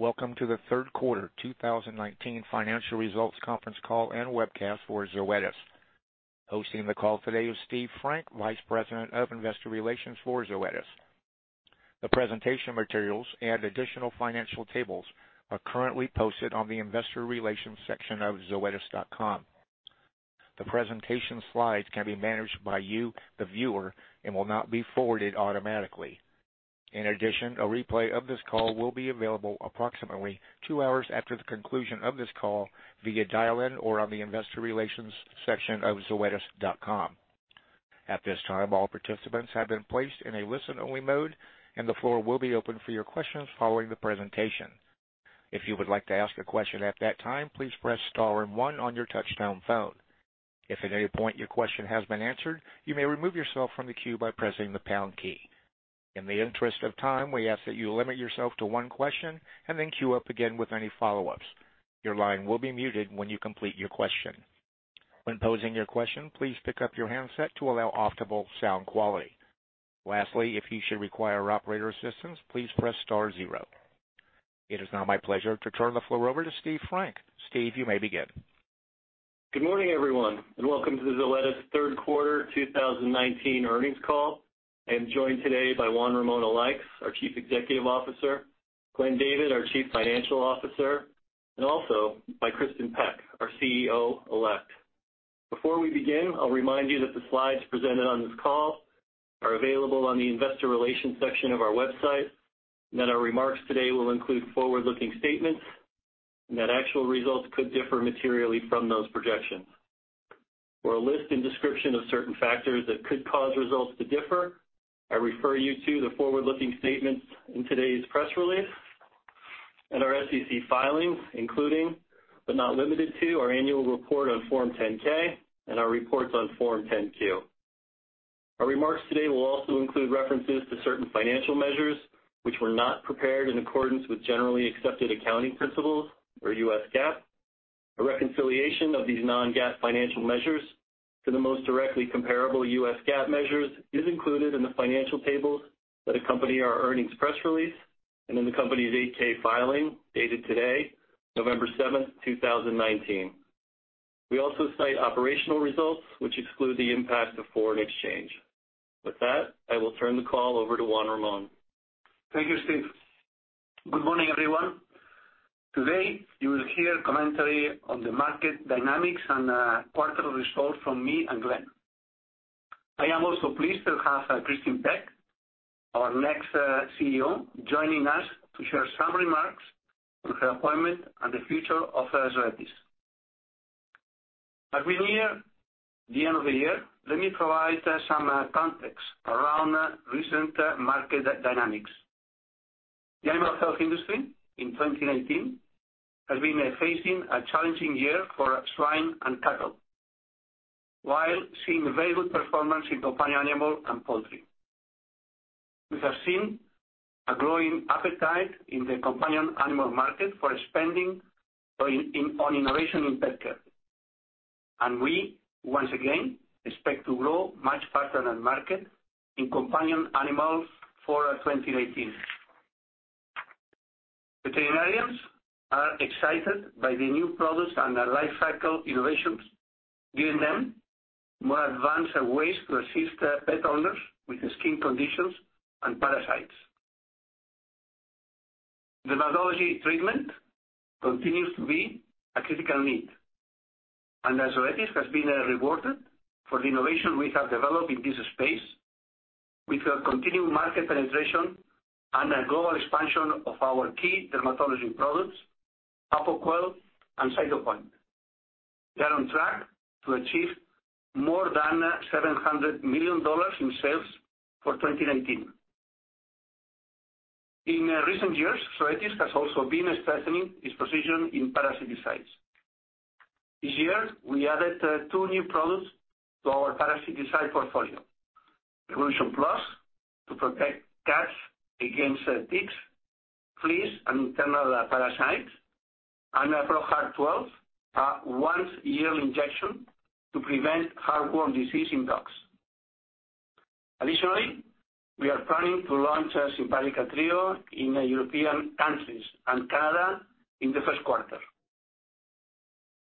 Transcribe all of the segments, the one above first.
Welcome to the Third Quarter 2019 Financial Results Conference Call and Webcast for Zoetis. Hosting the call today is Steve Frank, Vice President of Investor Relations for Zoetis. The presentation materials and additional financial tables are currently posted on the investor relations section of zoetis.com. The presentation slides can be managed by you, the viewer, and will not be forwarded automatically. In addition, a replay of this call will be available approximately two hours after the conclusion of this call via dial-in or on the investor relations section of zoetis.com. At this time, all participants have been placed in a listen-only mode, and the floor will be open for your questions following the presentation. If you would like to ask a question at that time, please press star and one on your touch-tone phone. If at any point your question has been answered, you may remove yourself from the queue by pressing the pound key. In the interest of time, we ask that you limit yourself to one question and then queue up again with any follow-ups. Your line will be muted when you complete your question. When posing your question, please pick up your handset to allow optimal sound quality. Lastly, if you should require operator assistance, please press star zero. It is now my pleasure to turn the floor over to Steve Frank. Steve, you may begin. Good morning, everyone, and welcome to the Zoetis Third Quarter 2019 Earnings Call. I am joined today by Juan Ramón Alaix, our Chief Executive Officer, Glenn David, our Chief Financial Officer, and also by Kristin Peck, our CEO Elect. Before we begin, I'll remind you that the slides presented on this call are available on the investor relations section of our website, and that our remarks today will include forward-looking statements, and that actual results could differ materially from those projections. For a list and description of certain factors that could cause results to differ, I refer you to the forward-looking statements in today's press release and our SEC filings, including, but not limited to, our annual report on Form 10-K and our reports on Form 10-Q. Our remarks today will also include references to certain financial measures which were not prepared in accordance with U.S. GAAP. A reconciliation of these non-GAAP financial measures to the most directly comparable U.S. GAAP measures is included in the financial tables that accompany our earnings press release and in the company's 8-K filing, dated today, November 7th, 2019. We also cite operational results which exclude the impact of foreign exchange. With that, I will turn the call over to Juan Ramón. Thank you, Steve. Good morning, everyone. Today, you will hear commentary on the market dynamics and quarterly results from me and Glenn. I am also pleased to have Kristin Peck, our next CEO, joining us to share some remarks on her appointment and the future of Zoetis. As we near the end of the year, let me provide some context around recent market dynamics. The animal health industry in 2019 has been facing a challenging year for swine and cattle, while seeing very good performance in companion animal and poultry. We have seen a growing appetite in the companion animal market for spending on innovation in pet care. We, once again, expect to grow much faster than market in companion animals for 2019. Veterinarians are excited by the new products and the lifecycle innovations, giving them more advanced ways to assist pet owners with skin conditions and parasites. Dermatology treatment continues to be a critical need, as Zoetis has been rewarded for the innovation we have developed in this space with a continued market penetration and a global expansion of our key dermatology products, Apoquel and Cytopoint. We are on track to achieve more than $700 million in sales for 2019. In recent years, Zoetis has also been strengthening its position in parasiticides. This year, we added two new products to our parasiticides portfolio. Revolution Plus to protect cats against ticks, fleas, and internal parasites, and ProHeart 12, a once-yearly injection to prevent heartworm disease in dogs. Additionally, we are planning to launch Simparica Trio in European countries and Canada in the first quarter.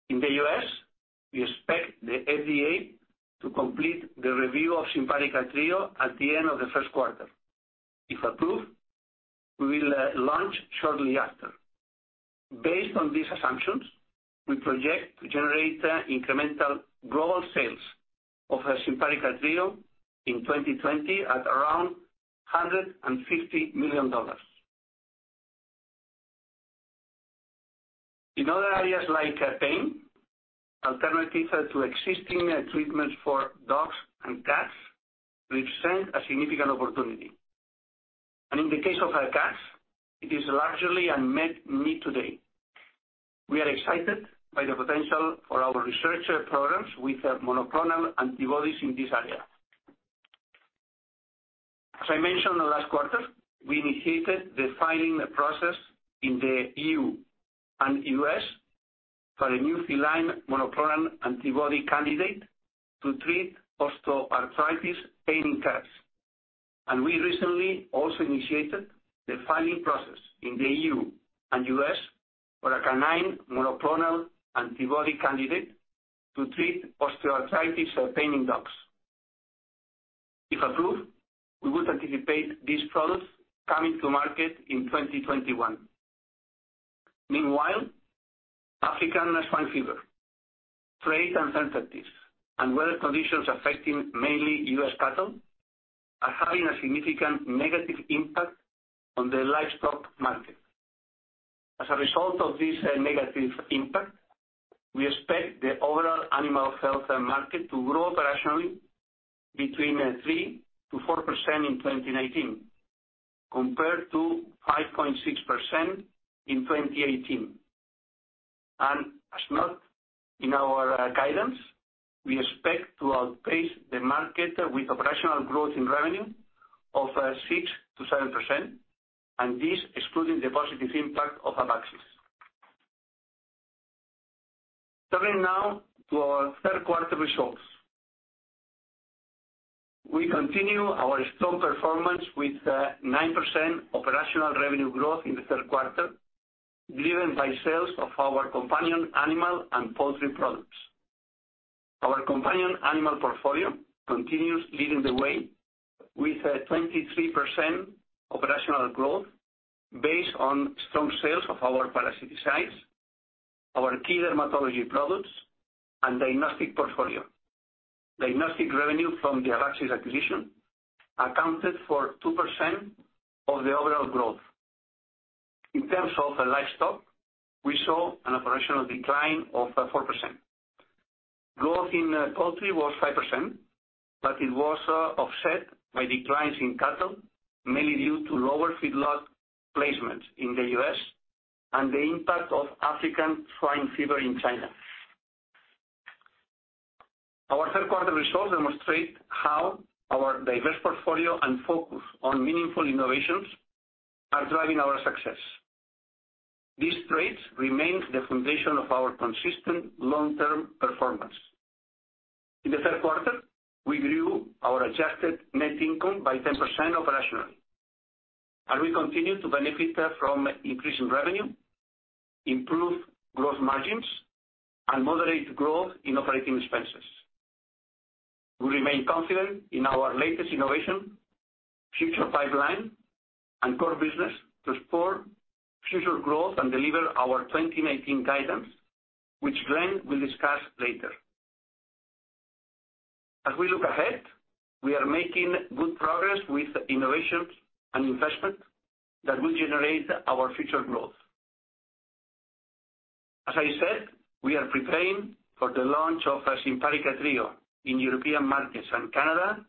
In the U.S., we expect the FDA to complete the review of Simparica Trio at the end of the first quarter. If approved, we will launch shortly after. Based on these assumptions, we project to generate incremental global sales of Simparica Trio in 2020 at around $150 million. In other areas like pain, alternatives to existing treatments for dogs and cats present a significant opportunity. In the case of our cats, it is largely unmet need today. We are excited by the potential for our research programs with monoclonal antibodies in this area. As I mentioned last quarter, we initiated the filing process in the EU and U.S. for a new feline monoclonal antibody candidate to treat osteoarthritis pain in cats. We recently also initiated the filing process in the EU and U.S. for a canine monoclonal antibody candidate to treat osteoarthritis for pain in dogs. If approved, we would anticipate these products coming to market in 2021. Meanwhile, African swine fever, trade uncertainties, and weather conditions affecting mainly U.S. cattle are having a significant negative impact on the livestock market. As a result of this negative impact, we expect the overall animal health market to grow operationally between 3%-4% in 2019, compared to 5.6% in 2018. As noted in our guidance, we expect to outpace the market with operational growth in revenue of 6%-7%, and this excluding the positive impact of Abaxis. Turning now to our third quarter results. We continue our strong performance with 9% operational revenue growth in the third quarter, driven by sales of our companion animal and poultry products. Our companion animal portfolio continues leading the way with 23% operational growth based on strong sales of our parasiticides, our key dermatology products, and diagnostic portfolio. Diagnostic revenue from the Abaxis acquisition accounted for 2% of the overall growth. In terms of the livestock, we saw an operational decline of 4%. Growth in poultry was 5%, but it was offset by declines in cattle, mainly due to lower feedlot placements in the U.S. and the impact of African swine fever in China. Our third quarter results demonstrate how our diverse portfolio and focus on meaningful innovations are driving our success. These traits remain the foundation of our consistent long-term performance. We continue to benefit from increasing revenue, improved gross margins, and moderate growth in operating expenses. We remain confident in our latest innovation, future pipeline, and core business to support future growth and deliver our 2019 guidance, which Glenn will discuss later. As we look ahead, we are making good progress with innovations and investment that will generate our future growth. As I said, we are preparing for the launch of Simparica Trio in European markets and Canada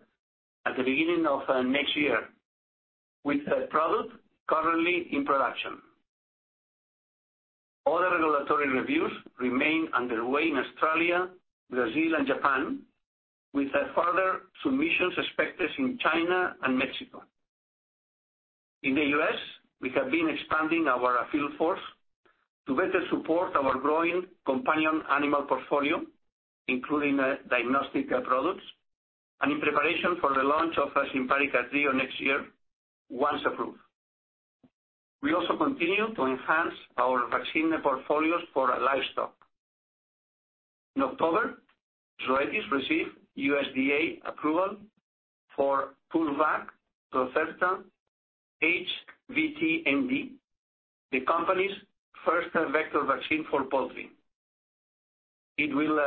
at the beginning of next year, with the product currently in production. Other regulatory reviews remain underway in Australia, Brazil, and Japan, with further submissions expected in China and Mexico. In the U.S., we have been expanding our field force to better support our growing companion animal portfolio, including diagnostic products and in preparation for the launch of Simparica Trio next year, once approved. We also continue to enhance our vaccine portfolios for livestock. In October, Zoetis received USDA approval for Poulvac Procerta HVT-ND, the company's first vector vaccine for poultry. It will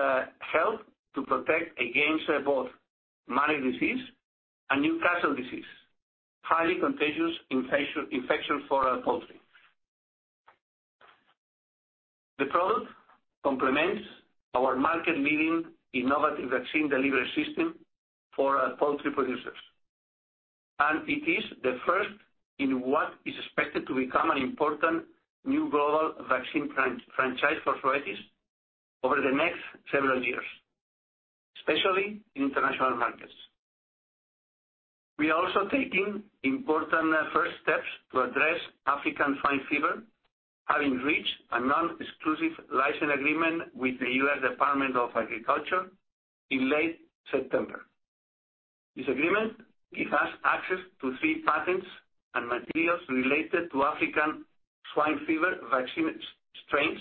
help to protect against both Marek's disease and Newcastle disease, highly contagious infections for our poultry. The product complements our market-leading innovative vaccine delivery system for our poultry producers, and it is the first in what is expected to become an important new global vaccine franchise for Zoetis over the next several years, especially in international markets. We are also taking important first steps to address African swine fever, having reached a non-exclusive license agreement with the U.S. Department of Agriculture in late September. This agreement gives us access to three patents and materials related to African swine fever vaccine strains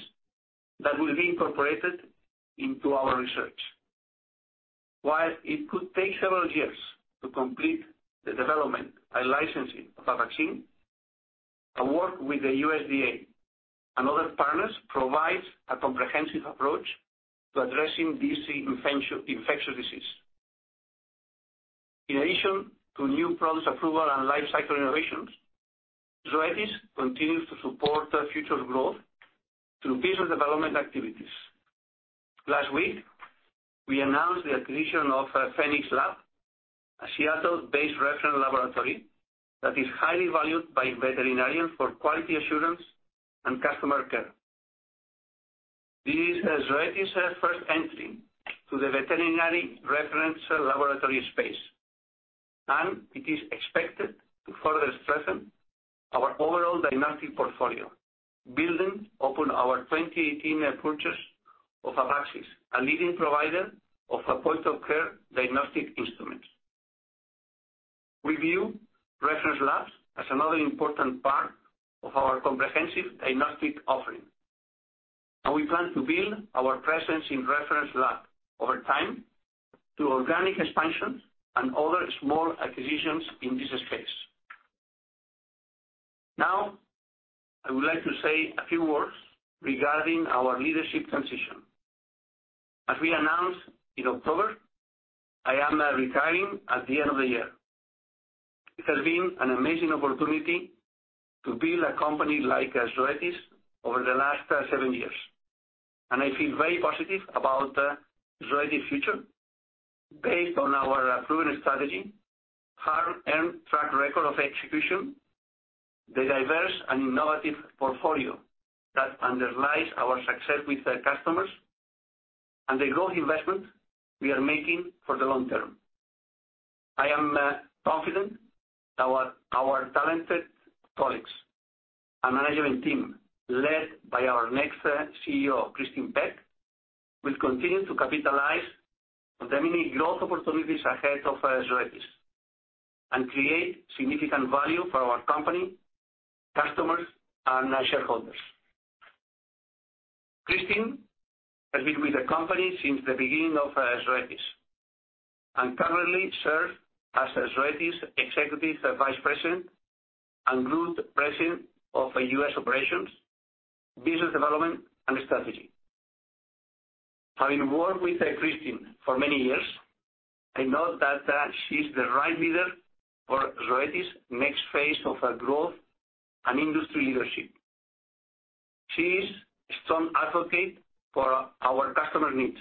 that will be incorporated into our research. While it could take several years to complete the development and licensing of a vaccine, our work with the USDA and other partners provides a comprehensive approach to addressing this infectious disease. In addition to new product approval and life cycle innovations, Zoetis continues to support future growth through business development activities. Last week, we announced the acquisition of Phoenix Lab, a Seattle-based reference laboratory that is highly valued by veterinarians for quality assurance and customer care. This is Zoetis' first entry to the veterinary reference laboratory space. And it is expected to further strengthen our overall diagnostic portfolio, building upon our 2018 purchase of Abaxis, a leading provider of point-of-care diagnostic instruments. We view reference labs as another important part of our comprehensive diagnostic offering, and we plan to build our presence in reference labs over time through organic expansion and other small acquisitions in this space. I would like to say a few words regarding our leadership transition. As we announced in October, I am retiring at the end of the year. It has been an amazing opportunity to build a company like Zoetis over the last seven years. I feel very positive about Zoetis' future based on our proven strategy, hard-earned track record of execution, the diverse and innovative portfolio that underlies our success with the customers, and the growth investment we are making for the long term. I am confident our talented colleagues and management team, led by our next CEO, Kristin Peck, will continue to capitalize on the many growth opportunities ahead of Zoetis and create significant value for our company, customers, and shareholders. Kristin has been with the company since the beginning of Zoetis and currently serves as Zoetis' Executive Vice President and Group President of U.S. Operations, Business Development, and Strategy. Having worked with Kristin for many years, I know that she's the right leader for Zoetis' next phase of growth and industry leadership. She is a strong advocate for our customer needs,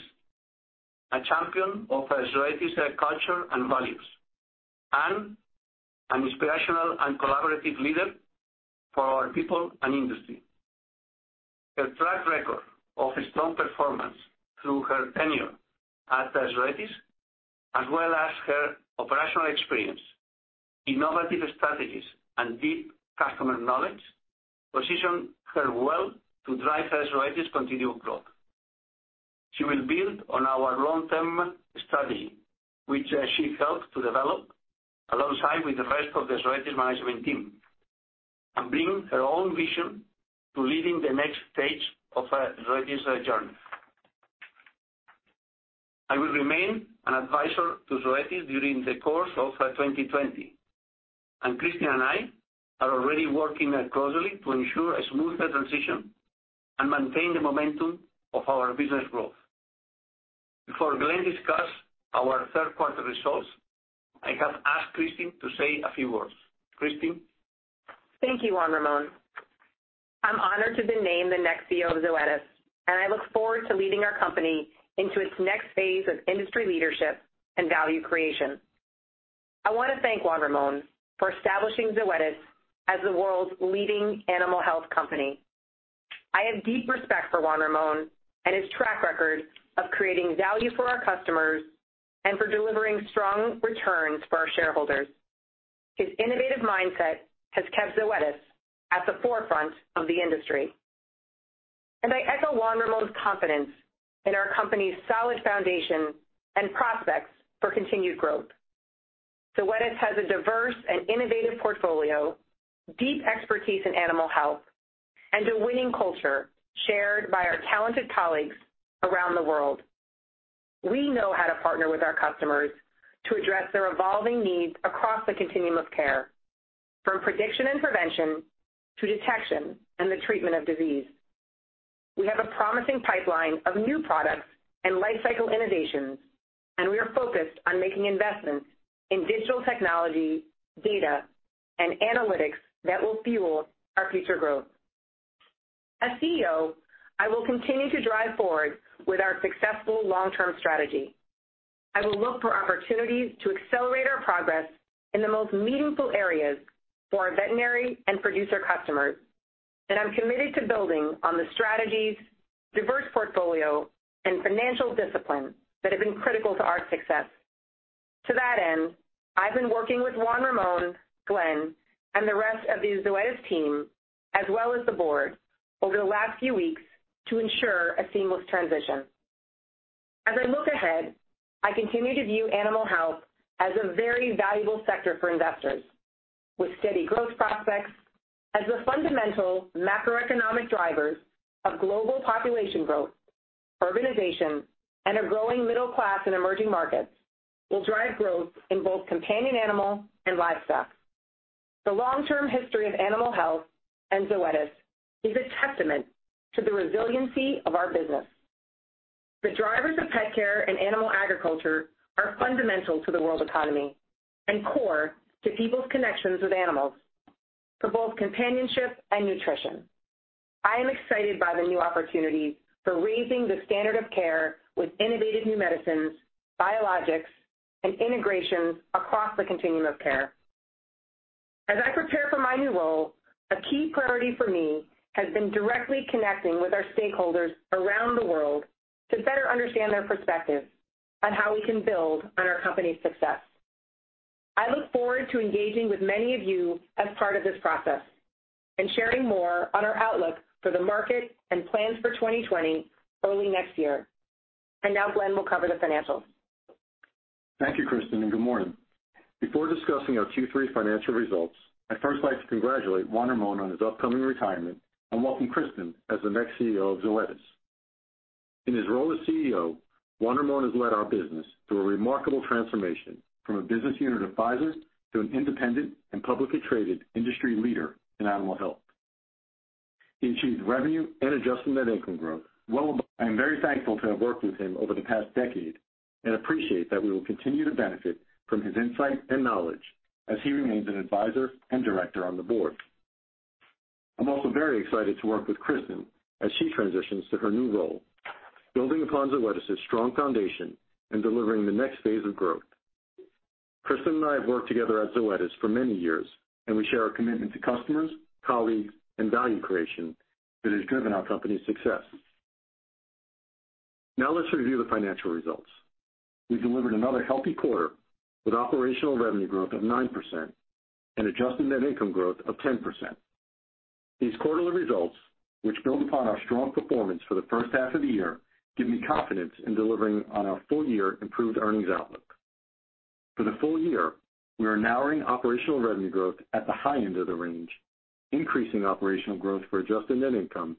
a champion of Zoetis' culture and values, and an inspirational and collaborative leader for our people and industry. Her track record of strong performance through her tenure at Zoetis, as well as her operational experience, innovative strategies, and deep customer knowledge, position her well to drive Zoetis' continued growth. She will build on our long-term strategy, which she helped to develop alongside with the rest of the Zoetis management team, and bring her own vision to leading the next stage of Zoetis' journey. I will remain an advisor to Zoetis during the course of 2020, Kristin and I are already working closely to ensure a smooth transition and maintain the momentum of our business growth. Before Glenn discusses our third-quarter results, I have asked Kristin to say a few words. Kristin? Thank you, Juan Ramón. I'm honored to be named the next CEO of Zoetis, and I look forward to leading our company into its next phase of industry leadership and value creation. I want to thank Juan Ramón for establishing Zoetis as the world's leading animal health company. I have deep respect for Juan Ramón and his track record of creating value for our customers and for delivering strong returns for our shareholders. His innovative mindset has kept Zoetis at the forefront of the industry. I echo Juan Ramón's confidence in our company's solid foundation and prospects for continued growth. Zoetis has a diverse and innovative portfolio, deep expertise in animal health, and a winning culture shared by our talented colleagues around the world. We know how to partner with our customers to address their evolving needs across the continuum of care, from prediction and prevention to detection and the treatment of disease. We have a promising pipeline of new products and life cycle innovations, and we are focused on making investments in digital technology, data, and analytics that will fuel our future growth. As CEO, I will continue to drive forward with our successful long-term strategy. I will look for opportunities to accelerate our progress in the most meaningful areas for our veterinary and producer customers, and I'm committed to building on the strategies, diverse portfolio, and financial discipline that have been critical to our success. To that end, I've been working with Juan Ramón, Glenn, and the rest of the Zoetis team, as well as the Board, over the last few weeks to ensure a seamless transition. As I look ahead, I continue to view animal health as a very valuable sector for investors, with steady growth prospects as the fundamental macroeconomic drivers of global population growth, urbanization, and a growing middle class in emerging markets will drive growth in both companion animal and livestock. The long-term history of animal health and Zoetis is a testament to the resiliency of our business. The drivers of pet care and animal agriculture are fundamental to the world economy and core to people's connections with animals for both companionship and nutrition. I am excited by the new opportunities for raising the standard of care with innovative new medicines, biologics, and integrations across the continuum of care. My new role, a key priority for me has been directly connecting with our stakeholders around the world to better understand their perspective on how we can build on our company's success. I look forward to engaging with many of you as part of this process and sharing more on our outlook for the market and plans for 2020 early next year. Now Glenn will cover the financials. Thank you, Kristin, and good morning. Before discussing our Q3 financial results, I'd first like to congratulate Juan Ramón on his upcoming retirement and welcome Kristin as the next CEO of Zoetis. In his role as CEO, Juan Ramón has led our business through a remarkable transformation from a business unit of Pfizer to an independent and publicly traded industry leader in animal health. He achieved revenue and adjusted net income growth. I am very thankful to have worked with him over the past decade and appreciate that we will continue to benefit from his insight and knowledge as he remains an Advisor and Director on the Board. I'm also very excited to work with Kristin as she transitions to her new role, building upon Zoetis' strong foundation and delivering the next phase of growth. Kristin and I have worked together at Zoetis for many years, and we share a commitment to customers, colleagues, and value creation that has driven our company's success. Now let's review the financial results. We delivered another healthy quarter with operational revenue growth of 9% and adjusted net income growth of 10%. These quarterly results, which build upon our strong performance for the first half of the year, give me confidence in delivering on our full-year improved earnings outlook. For the full year, we are narrowing operational revenue growth at the high end of the range, increasing operational growth for adjusted net income,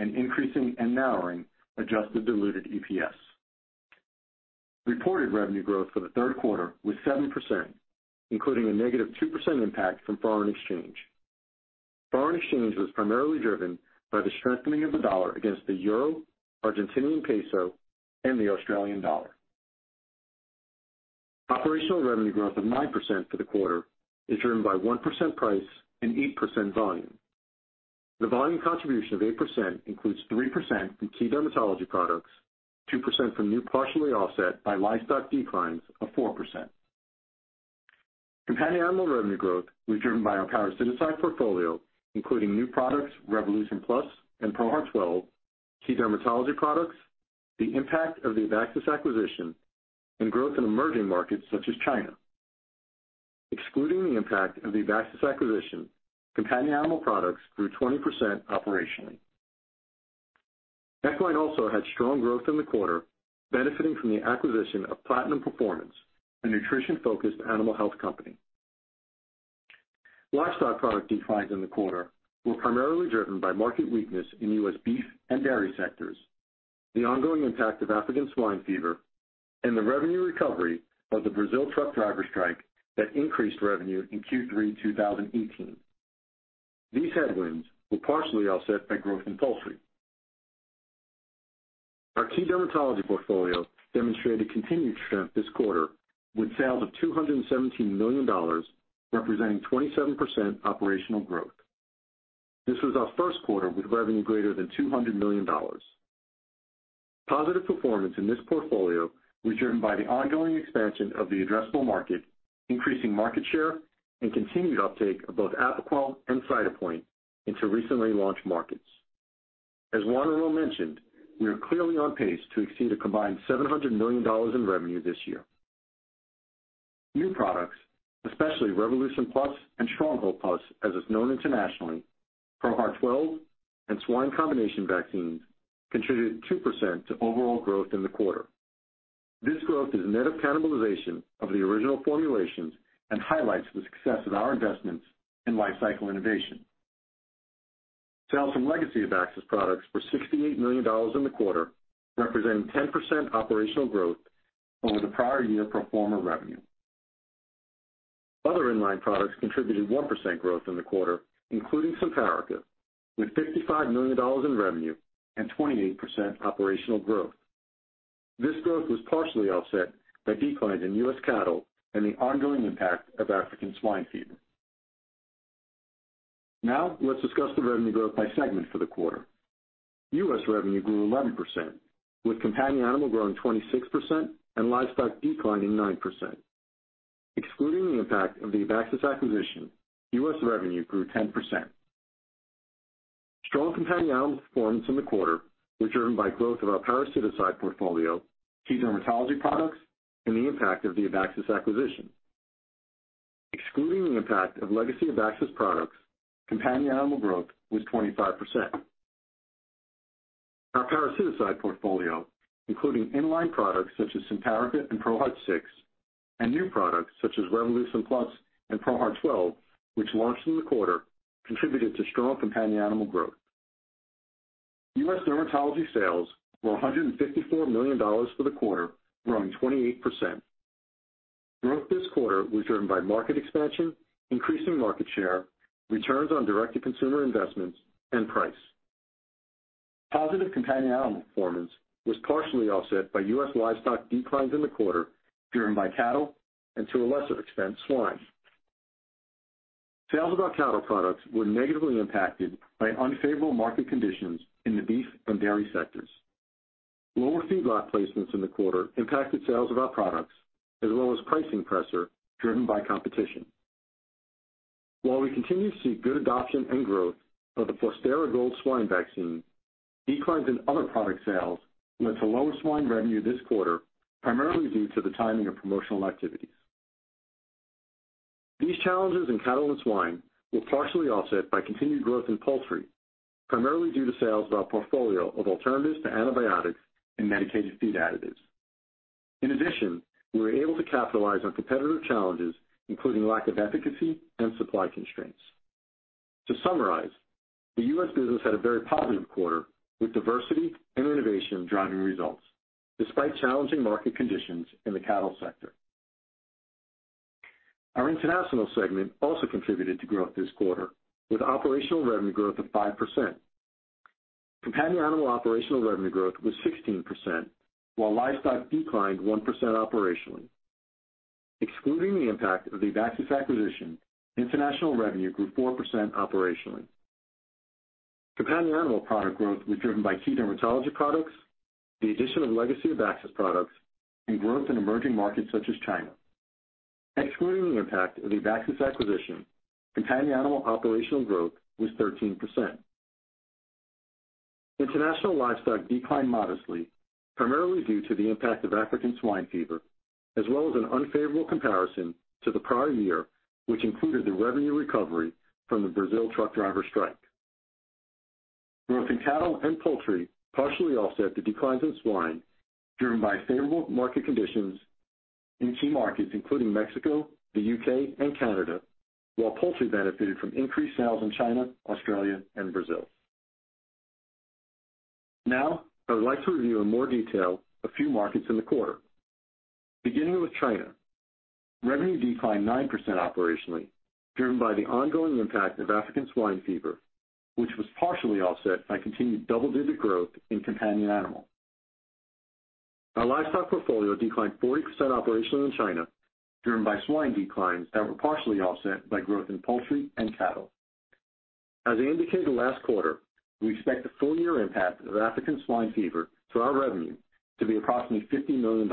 and increasing and narrowing adjusted diluted EPS. Reported revenue growth for the third quarter was 7%, including a negative 2% impact from foreign exchange. Foreign exchange was primarily driven by the strengthening of the dollar against the euro, Argentinian peso, and the Australian dollar. Operational revenue growth of 9% for the quarter is driven by 1% price and 8% volume. The volume contribution of 8% includes 3% from key dermatology products, 2% from new partially offset by livestock declines of 4%. Companion animal revenue growth was driven by our parasiticide portfolio, including new products, Revolution Plus and ProHeart 12, key dermatology products, the impact of the Abaxis acquisition, and growth in emerging markets such as China. Excluding the impact of the Abaxis acquisition, companion animal products grew 20% operationally. Equine also had strong growth in the quarter, benefiting from the acquisition of Platinum Performance, a nutrition-focused animal health company. Livestock product declines in the quarter were primarily driven by market weakness in U.S. beef and dairy sectors, the ongoing impact of African swine fever, and the revenue recovery of the Brazil truck driver strike that increased revenue in Q3 2018. These headwinds were partially offset by growth in poultry. Our key dermatology portfolio demonstrated continued strength this quarter with sales of $217 million, representing 27% operational growth. This was our first quarter with revenue greater than $200 million. Positive performance in this portfolio was driven by the ongoing expansion of the addressable market, increasing market share, and continued uptake of both Apoquel and Cytopoint into recently launched markets. As Juan Ramón mentioned, we are clearly on pace to exceed a combined $700 million in revenue this year. New products, especially Revolution Plus and Stronghold Plus, as it's known internationally, ProHeart 12, and swine combination vaccines, contributed 2% to overall growth in the quarter. This growth is net of cannibalization of the original formulations and highlights the success of our investments in life cycle innovation. Sales from legacy Abaxis products were $68 million in the quarter, representing 10% operational growth over the prior year pro forma revenue. Other in-line products contributed 1% growth in the quarter, including Simparica, with $55 million in revenue and 28% operational growth. This growth was partially offset by declines in U.S. cattle and the ongoing impact of African swine fever. Let's discuss the revenue growth by segment for the quarter. U.S. revenue grew 11%, with companion animal growing 26% and livestock declining 9%. Excluding the impact of the Abaxis acquisition, U.S. revenue grew 10%. Strong companion animal performance in the quarter was driven by growth of our parasiticide portfolio, key dermatology products, and the impact of the Abaxis acquisition. Excluding the impact of legacy Abaxis products, companion animal growth was 25%. Our parasiticide portfolio, including in-line products such as Simparica and ProHeart 6 and new products such as Revolution Plus and ProHeart 12, which launched in the quarter, contributed to strong companion animal growth. U.S. dermatology sales were $154 million for the quarter, growing 28%. Growth this quarter was driven by market expansion, increasing market share, returns on direct-to-consumer investments, and price. Positive companion animal performance was partially offset by U.S. livestock declines in the quarter driven by cattle and, to a lesser extent, swine. Sales of our cattle products were negatively impacted by unfavorable market conditions in the beef and dairy sectors. Lower feedlot placements in the quarter impacted sales of our products as well as pricing pressure driven by competition. While we continue to see good adoption and growth of the Fostera Gold swine vaccine, declines in other product sales led to lower swine revenue this quarter, primarily due to the timing of promotional activities. These challenges in cattle and swine were partially offset by continued growth in poultry, primarily due to sales of our portfolio of alternatives to antibiotics and medicated feed additives. In addition, we were able to capitalize on competitive challenges, including lack of efficacy and supply constraints. To summarize, the U.S. business had a very positive quarter with diversity and innovation driving results, despite challenging market conditions in the cattle sector. Our international segment also contributed to growth this quarter with operational revenue growth of 5%. Companion animal operational revenue growth was 16%, while livestock declined 1% operationally. Excluding the impact of the Abaxis acquisition, international revenue grew 4% operationally. Companion animal product growth was driven by key dermatology products, the addition of legacy Abaxis products, and growth in emerging markets such as China. Excluding the impact of the Abaxis acquisition, companion animal operational growth was 13%. International livestock declined modestly, primarily due to the impact of African swine fever, as well as an unfavorable comparison to the prior year, which included the revenue recovery from the Brazil truck driver strike. Growth in cattle and poultry partially offset the declines in swine, driven by favorable market conditions in key markets including Mexico, the U.K., and Canada, while poultry benefited from increased sales in China, Australia, and Brazil. Now, I would like to review in more detail a few markets in the quarter. Beginning with China. Revenue declined 9% operationally, driven by the ongoing impact of African swine fever, which was partially offset by continued double-digit growth in companion animal. Our livestock portfolio declined 40% operationally in China, driven by swine declines that were partially offset by growth in poultry and cattle. As I indicated last quarter, we expect the full-year impact of African swine fever to our revenue to be approximately $50 million.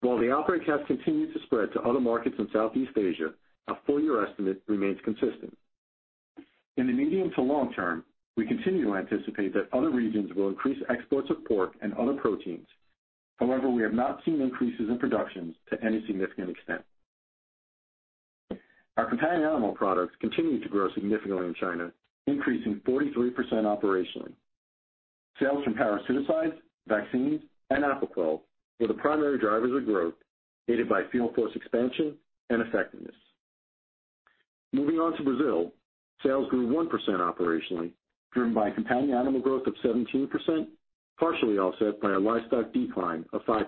While the outbreak has continued to spread to other markets in Southeast Asia, our full-year estimate remains consistent. In the medium to long term, we continue to anticipate that other regions will increase exports of pork and other proteins. We have not seen increases in productions to any significant extent. Our companion animal products continued to grow significantly in China, increasing 43% operationally. Sales from parasiticides, vaccines, and Apoquel were the primary drivers of growth, aided by field force expansion and effectiveness. Moving on to Brazil, sales grew 1% operationally, driven by companion animal growth of 17%, partially offset by a livestock decline of 5%.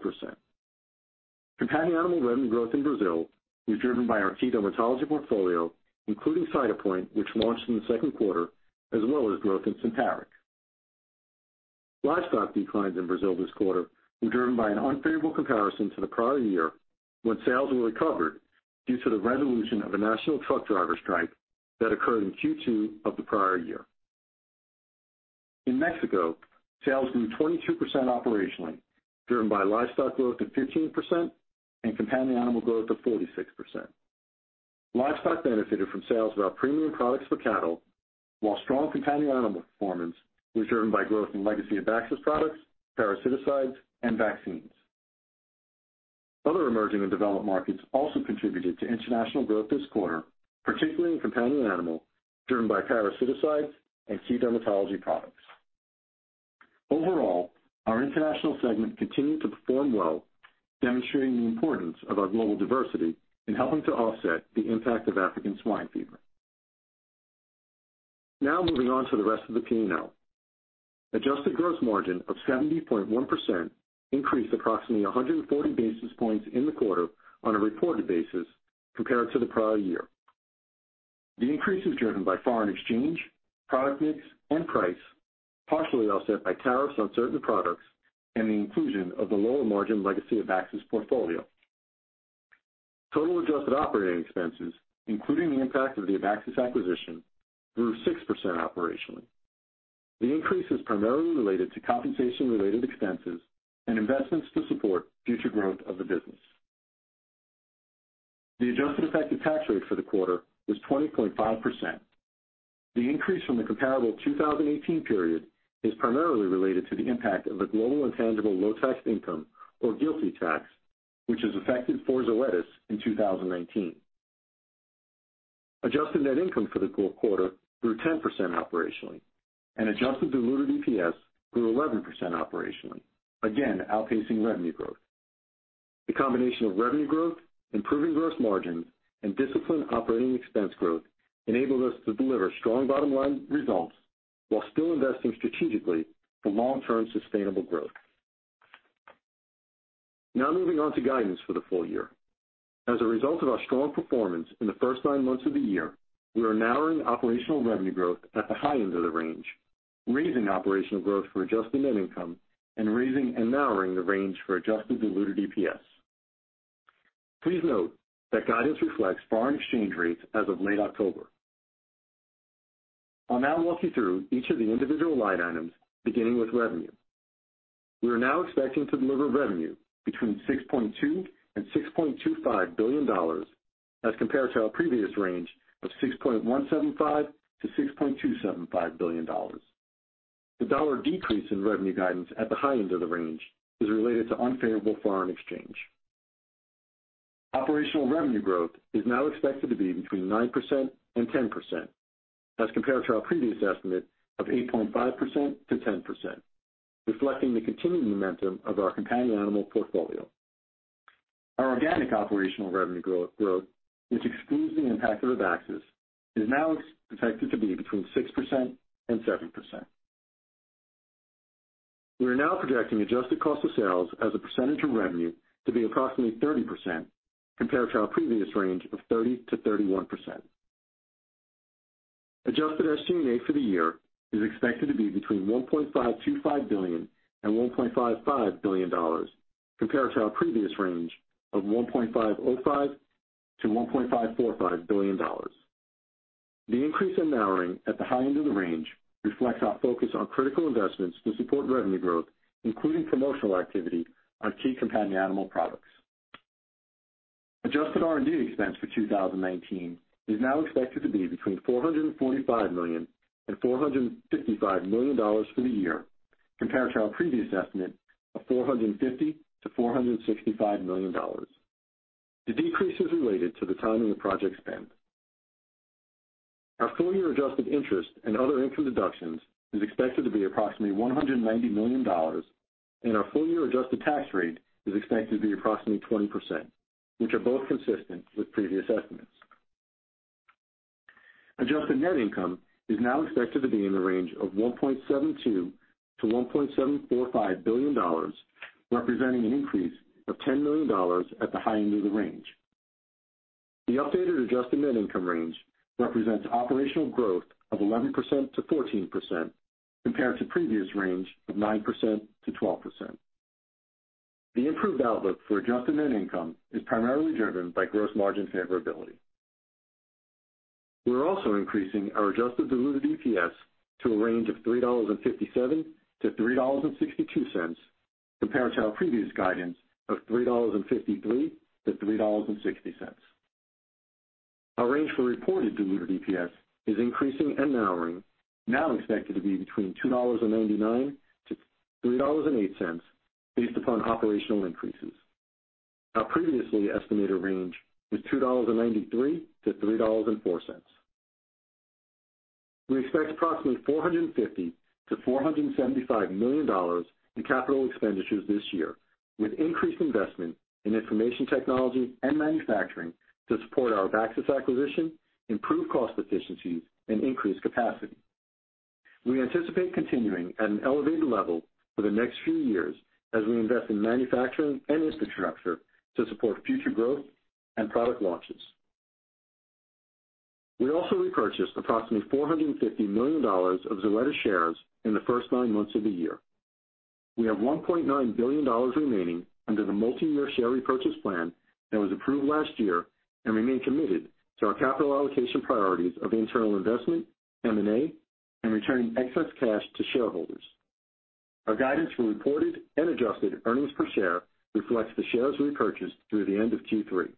Companion animal revenue growth in Brazil was driven by our key dermatology portfolio, including Cytopoint, which launched in the second quarter, as well as growth in Simparica. Livestock declines in Brazil this quarter were driven by an unfavorable comparison to the prior year when sales were recovered due to the resolution of a national truck driver strike that occurred in Q2 of the prior year. In Mexico, sales grew 22% operationally, driven by livestock growth of 15% and companion animal growth of 46%. Livestock benefited from sales of our premium products for cattle, while strong companion animal performance was driven by growth in legacy Abaxis products, parasiticides, and vaccines. Other emerging and developed markets also contributed to international growth this quarter, particularly in companion animal, driven by parasiticides and key dermatology products. Overall, our international segment continued to perform well, demonstrating the importance of our global diversity in helping to offset the impact of African swine fever. Moving on to the rest of the P&L. Adjusted gross margin of 70.1% increased approximately 140 basis points in the quarter on a reported basis compared to the prior year. The increase is driven by foreign exchange, product mix, and price, partially offset by tariffs on certain products and the inclusion of the lower margin legacy Abaxis portfolio. Total adjusted operating expenses, including the impact of the Abaxis acquisition, grew 6% operationally. The increase is primarily related to compensation-related expenses and investments to support future growth of the business. The adjusted effective tax rate for the quarter was 20.5%. The increase from the comparable 2018 period is primarily related to the impact of the global intangible low tax income or GILTI tax, which is effective for Zoetis in 2019. Adjusted net income for the quarter grew 10% operationally, and adjusted diluted EPS grew 11% operationally, again, outpacing revenue growth. The combination of revenue growth, improving gross margins, and disciplined operating expense growth enabled us to deliver strong bottom-line results while still investing strategically for long-term sustainable growth. Now moving on to guidance for the full year. As a result of our strong performance in the first nine months of the year, we are narrowing operational revenue growth at the high end of the range, raising operational growth for adjusted net income, and raising and narrowing the range for adjusted diluted EPS. Please note that guidance reflects foreign exchange rates as of late October. I'll now walk you through each of the individual line items, beginning with revenue. We are now expecting to deliver revenue between $6.2 billion and $6.25 billion, as compared to our previous range of $6.175 billion-$6.275 billion. The dollar decrease in revenue guidance at the high end of the range is related to unfavorable foreign exchange. Operational revenue growth is now expected to be between 9% and 10%, as compared to our previous estimate of 8.5%-10%, reflecting the continuing momentum of our companion animal portfolio. Our organic operational revenue growth, which excludes the impact of Abaxis, is now expected to be between 6% and 7%. We are now projecting adjusted cost of sales as a percentage of revenue to be approximately 30%, compared to our previous range of 30%-31%. Adjusted SG&A for the year is expected to be between $1.525 billion and $1.55 billion, compared to our previous range of $1.505 billion-$1.545 billion. The increase in narrowing at the high end of the range reflects our focus on critical investments to support revenue growth, including promotional activity on key companion animal products. Adjusted R&D expense for 2019 is now expected to be between $445 million and $455 million for the year, compared to our previous estimate of $450 million-$465 million. The decrease is related to the timing of project spend. Our full-year adjusted interest and other income deductions is expected to be approximately $190 million, and our full-year adjusted tax rate is expected to be approximately 20%, which are both consistent with previous estimates. Adjusted net income is now expected to be in the range of $1.72 billion-$1.745 billion, representing an increase of $10 million at the high end of the range. The updated adjusted net income range represents operational growth of 11%-14%, compared to previous range of 9%-12%. The improved outlook for adjusted net income is primarily driven by gross margin favorability. We're also increasing our adjusted diluted EPS to a range of $3.57-$3.62, compared to our previous guidance of $3.53-$3.60. Our range for reported diluted EPS is increasing and narrowing, now expected to be between $2.99-$3.08, based upon operational increases. Our previously estimated range was $2.93-$3.04. We expect approximately $450 million-$475 million in capital expenditures this year, with increased investment in information technology and manufacturing to support our Abaxis acquisition, improve cost efficiencies, and increase capacity. We anticipate continuing at an elevated level for the next few years as we invest in manufacturing and infrastructure to support future growth and product launches. We also repurchased approximately $450 million of Zoetis shares in the first nine months of the year. We have $1.9 billion remaining under the multi-year share repurchase plan that was approved last year and remain committed to our capital allocation priorities of internal investment, M&A, and returning excess cash to shareholders. Our guidance for reported and adjusted earnings per share reflects the shares repurchased through the end of Q3.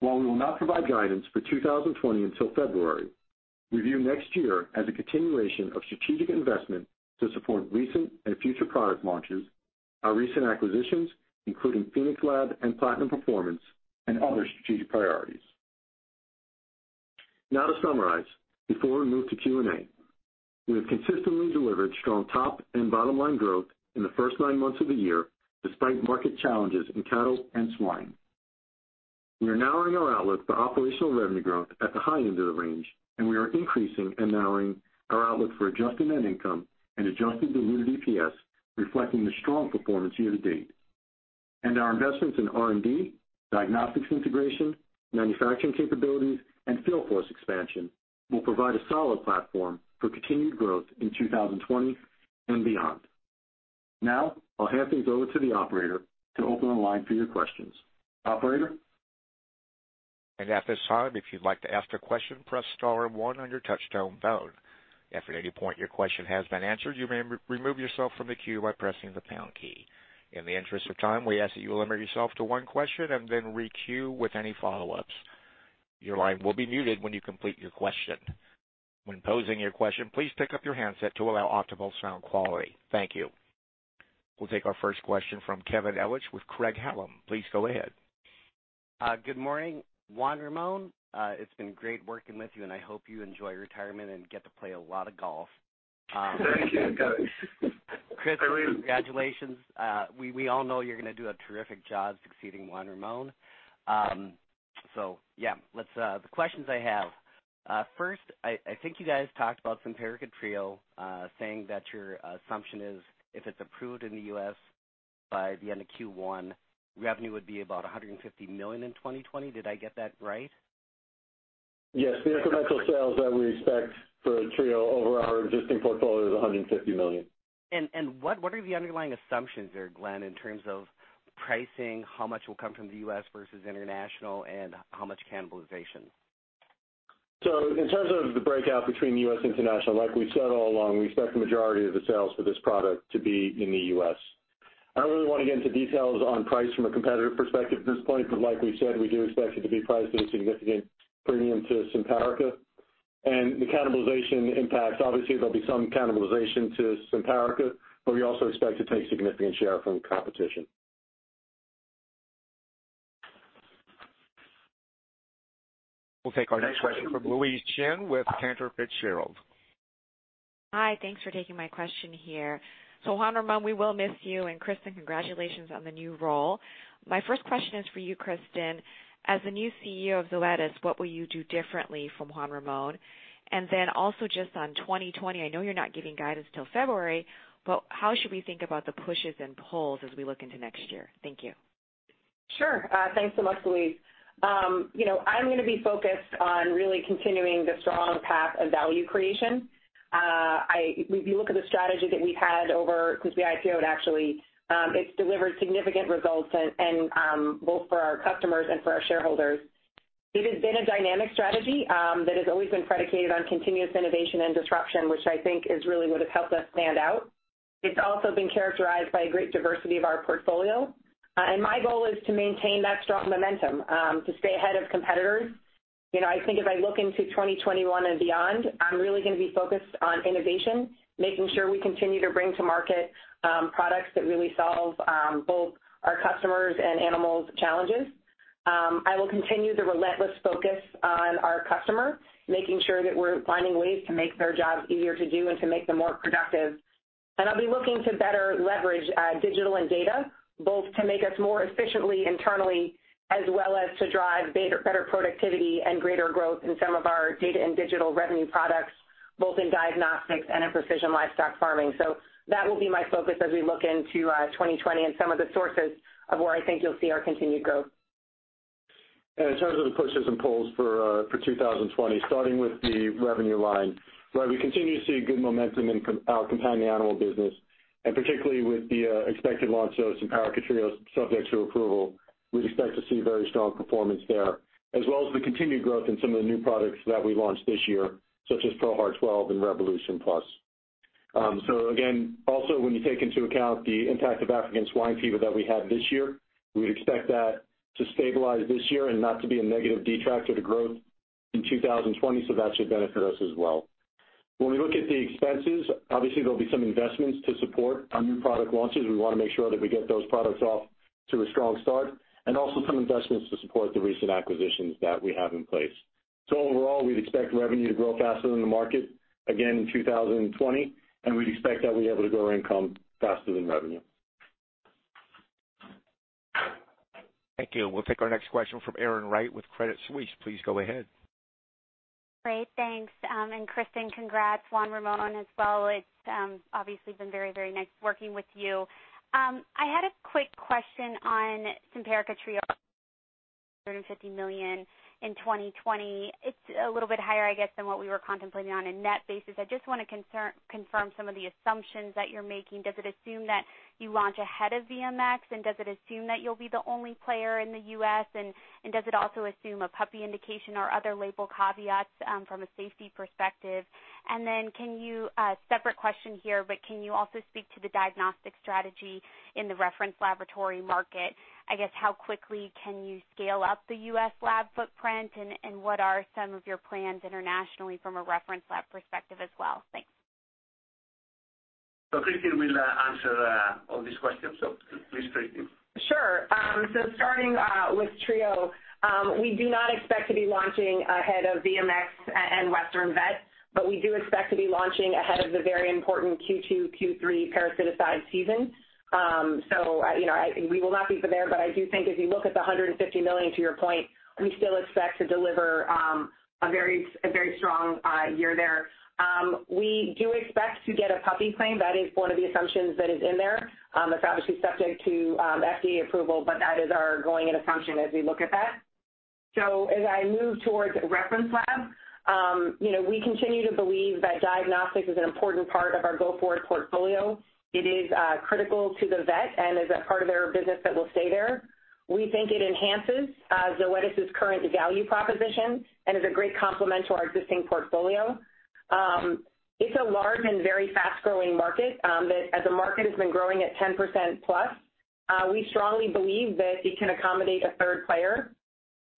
While we will not provide guidance for 2020 until February, we view next year as a continuation of strategic investment to support recent and future product launches, our recent acquisitions, including Phoenix Lab and Platinum Performance, and other strategic priorities. Now to summarize, before we move to Q&A, we have consistently delivered strong top and bottom-line growth in the first nine months of the year, despite market challenges in cattle and swine. We are narrowing our outlook for operational revenue growth at the high end of the range, we are increasing and narrowing our outlook for adjusted net income and adjusted diluted EPS, reflecting the strong performance year to date. Our investments in R&D, diagnostics integration, manufacturing capabilities, and field force expansion will provide a solid platform for continued growth in 2020 and beyond. Now, I'll hand things over to the operator to open the line for your questions. Operator? At this time, if you'd like to ask a question, press star one on your touch-tone phone. If at any point your question has been answered, you may remove yourself from the queue by pressing the pound key. In the interest of time, we ask that you limit yourself to one question and then re-queue with any follow-ups. Your line will be muted when you complete your question. When posing your question, please pick up your handset to allow optimal sound quality. Thank you. We'll take our first question from Kevin Ellich with Craig-Hallum. Please go ahead. Good morning, Juan Ramón. It's been great working with you, and I hope you enjoy retirement and get to play a lot of golf. Thank you, I appreciate it. Kristin, congratulations. We all know you're going to do a terrific job succeeding Juan Ramón. The questions I have. First, I think you guys talked about Simparica Trio, saying that your assumption is if it's approved in the U.S. by the end of Q1, revenue would be about $150 million in 2020. Did I get that right? Yes. The incremental sales that we expect for Trio over our existing portfolio is $150 million. What are the underlying assumptions there, Glenn, in terms of pricing, how much will come from the U.S. versus international, and how much cannibalization? In terms of the breakout between U.S. and international, like we've said all along, we expect the majority of the sales for this product to be in the U.S. I don't really want to get into details on price from a competitive perspective at this point, but like we said, we do expect it to be priced at a significant premium to Simparica. The cannibalization impact, obviously there'll be some cannibalization to Simparica, but we also expect to take significant share from competition. We'll take our next question from Louise Chen with Cantor Fitzgerald. Hi. Thanks for taking my question here. Juan Ramón, we will miss you, and Kristin, congratulations on the new role. My first question is for you, Kristin. As the new CEO of Zoetis, what will you do differently from Juan Ramón? Also just on 2020, I know you're not giving guidance till February, but how should we think about the pushes and pulls as we look into next year? Thank you. Sure. Thanks so much, Louise. I'm going to be focused on really continuing the strong path of value creation. If you look at the strategy that we've had over, since we IPO'd actually, it's delivered significant results, both for our customers and for our shareholders. It has been a dynamic strategy that has always been predicated on continuous innovation and disruption, which I think is really what has helped us stand out. It's also been characterized by a great diversity of our portfolio. My goal is to maintain that strong momentum, to stay ahead of competitors. I think if I look into 2021 and beyond, I'm really going to be focused on innovation, making sure we continue to bring to market products that really solve both our customers' and animals' challenges. I will continue the relentless focus on our customer, making sure that we're finding ways to make their jobs easier to do and to make them more productive. I'll be looking to better leverage digital and data, both to make us more efficiently internally as well as to drive better productivity and greater growth in some of our data and digital revenue products, both in diagnostics and in precision livestock farming. That will be my focus as we look into 2020 and some of the sources of where I think you'll see our continued growth. In terms of the pushes and pulls for 2020, starting with the revenue line, where we continue to see good momentum in our companion animal business, and particularly with the expected launch of Simparica Trio subject to approval. We expect to see very strong performance there, as well as the continued growth in some of the new products that we launched this year, such as ProHeart 12 and Revolution Plus. Again, also when you take into account the impact of African swine fever that we had this year, we would expect that to stabilize this year and not to be a negative detractor to growth in 2020, so that should benefit us as well. When we look at the expenses, obviously there'll be some investments to support our new product launches. We want to make sure that we get those products off to a strong start, and also some investments to support the recent acquisitions that we have in place. Overall, we'd expect revenue to grow faster than the market, again in 2020, and we'd expect that we'll be able to grow income faster than revenue. Thank you. We'll take our next question from Erin Wright with Credit Suisse. Please go ahead. Great. Thanks, and Kristin, congrats. Juan Ramón as well. It's obviously been very, very nice working with you. I had a quick question on Simparica Trio. $150 million in 2020. It's a little bit higher, I guess, than what we were contemplating on a net basis. I just want to confirm some of the assumptions that you're making. Does it assume that you launch ahead of VMX, and does it assume that you'll be the only player in the U.S., and does it also assume a puppy indication or other label caveats from a safety perspective? Then, a separate question here, but can you also speak to the diagnostic strategy in the reference laboratory market? I guess how quickly can you scale up the U.S. lab footprint, and what are some of your plans internationally from a reference lab perspective as well? Thanks. Kristin will answer all these questions. Please, Kristin. Sure. Starting with Trio. We do not expect to be launching ahead of VMX and Western Vet, but we do expect to be launching ahead of the very important Q2, Q3 parasiticide season. We will not be there, but I do think if you look at the $150 million to your point, we still expect to deliver a very strong year there. We do expect to get a puppy claim. That is one of the assumptions that is in there. That's obviously subject to FDA approval, but that is our going-in assumption as we look at that. As I move towards reference lab. We continue to believe that diagnostics is an important part of our go-forward portfolio. It is critical to the vet and is a part of their business that will stay there. We think it enhances Zoetis' current value proposition and is a great complement to our existing portfolio. It's a large and very fast-growing market, that as a market has been growing at 10%+. We strongly believe that it can accommodate a third player.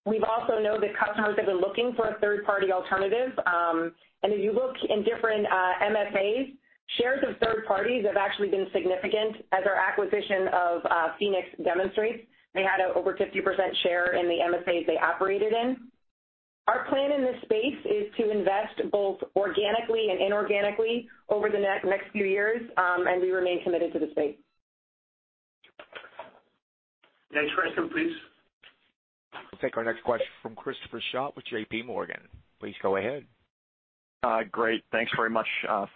We also know that customers have been looking for a third-party alternative. And if you look in different MSAs, shares of third parties have actually been significant as our acquisition of Phoenix demonstrates. They had an over 50% share in the MSAs they operated in. Our plan in this space is to invest both organically and inorganically over the next few years, and we remain committed to the space. Next question, please. We'll take our next question from Christopher Schott with JPMorgan. Please go ahead. Great. Thanks very much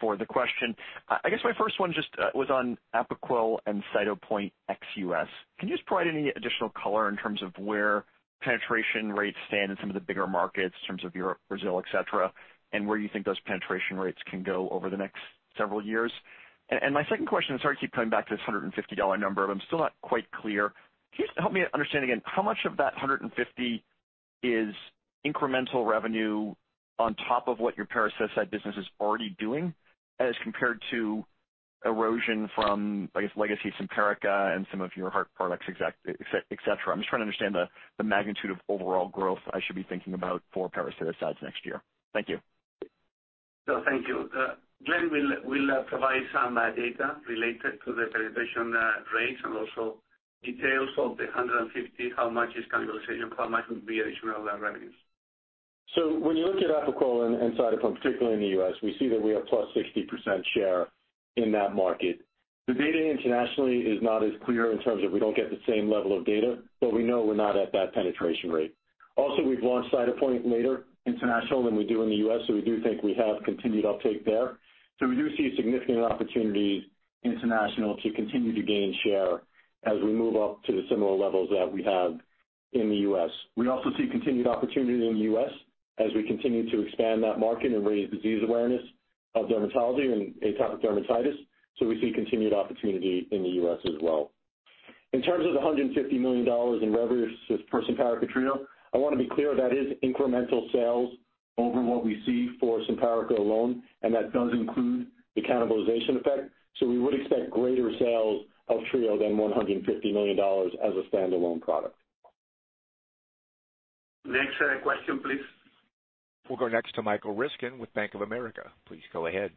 for the question. I guess my first one just was on Apoquel and Cytopoint X U.S.. Can you just provide any additional color in terms of where penetration rates stand in some of the bigger markets in terms of Europe, Brazil, et cetera, and where you think those penetration rates can go over the next several years? My second question, sorry to keep coming back to this $150 number, but I'm still not quite clear. Can you just help me understand again, how much of that $150 is incremental revenue on top of what your parasiticide business is already doing as compared to erosion from, I guess, legacy Simparica and some of your heart products, et cetera? I'm just trying to understand the magnitude of overall growth I should be thinking about for parasiticides next year. Thank you. Thank you. Glenn will provide some data related to the penetration rates and also details of the 150, how much is cannibalization, how much would be additional revenues. When you look at Apoquel and Cytopoint, particularly in the U.S., we see that we have +60% share in that market. The data internationally is not as clear in terms of we don't get the same level of data, but we know we're not at that penetration rate. Also, we've launched Cytopoint later international than we do in the U.S., we do think we have continued uptake there. We do see significant opportunities international to continue to gain share as we move up to the similar levels that we have in the U.S. We also see continued opportunity in the U.S. as we continue to expand that market and raise disease awareness of dermatology and atopic dermatitis. We see continued opportunity in the U.S. as well. In terms of the $150 million in revenues for Simparica Trio, I want to be clear, that is incremental sales over what we see for Simparica alone, and that does include the cannibalization effect. We would expect greater sales of Trio than $150 million as a standalone product. Next question, please. We'll go next to Michael Ryskin with Bank of America. Please go ahead.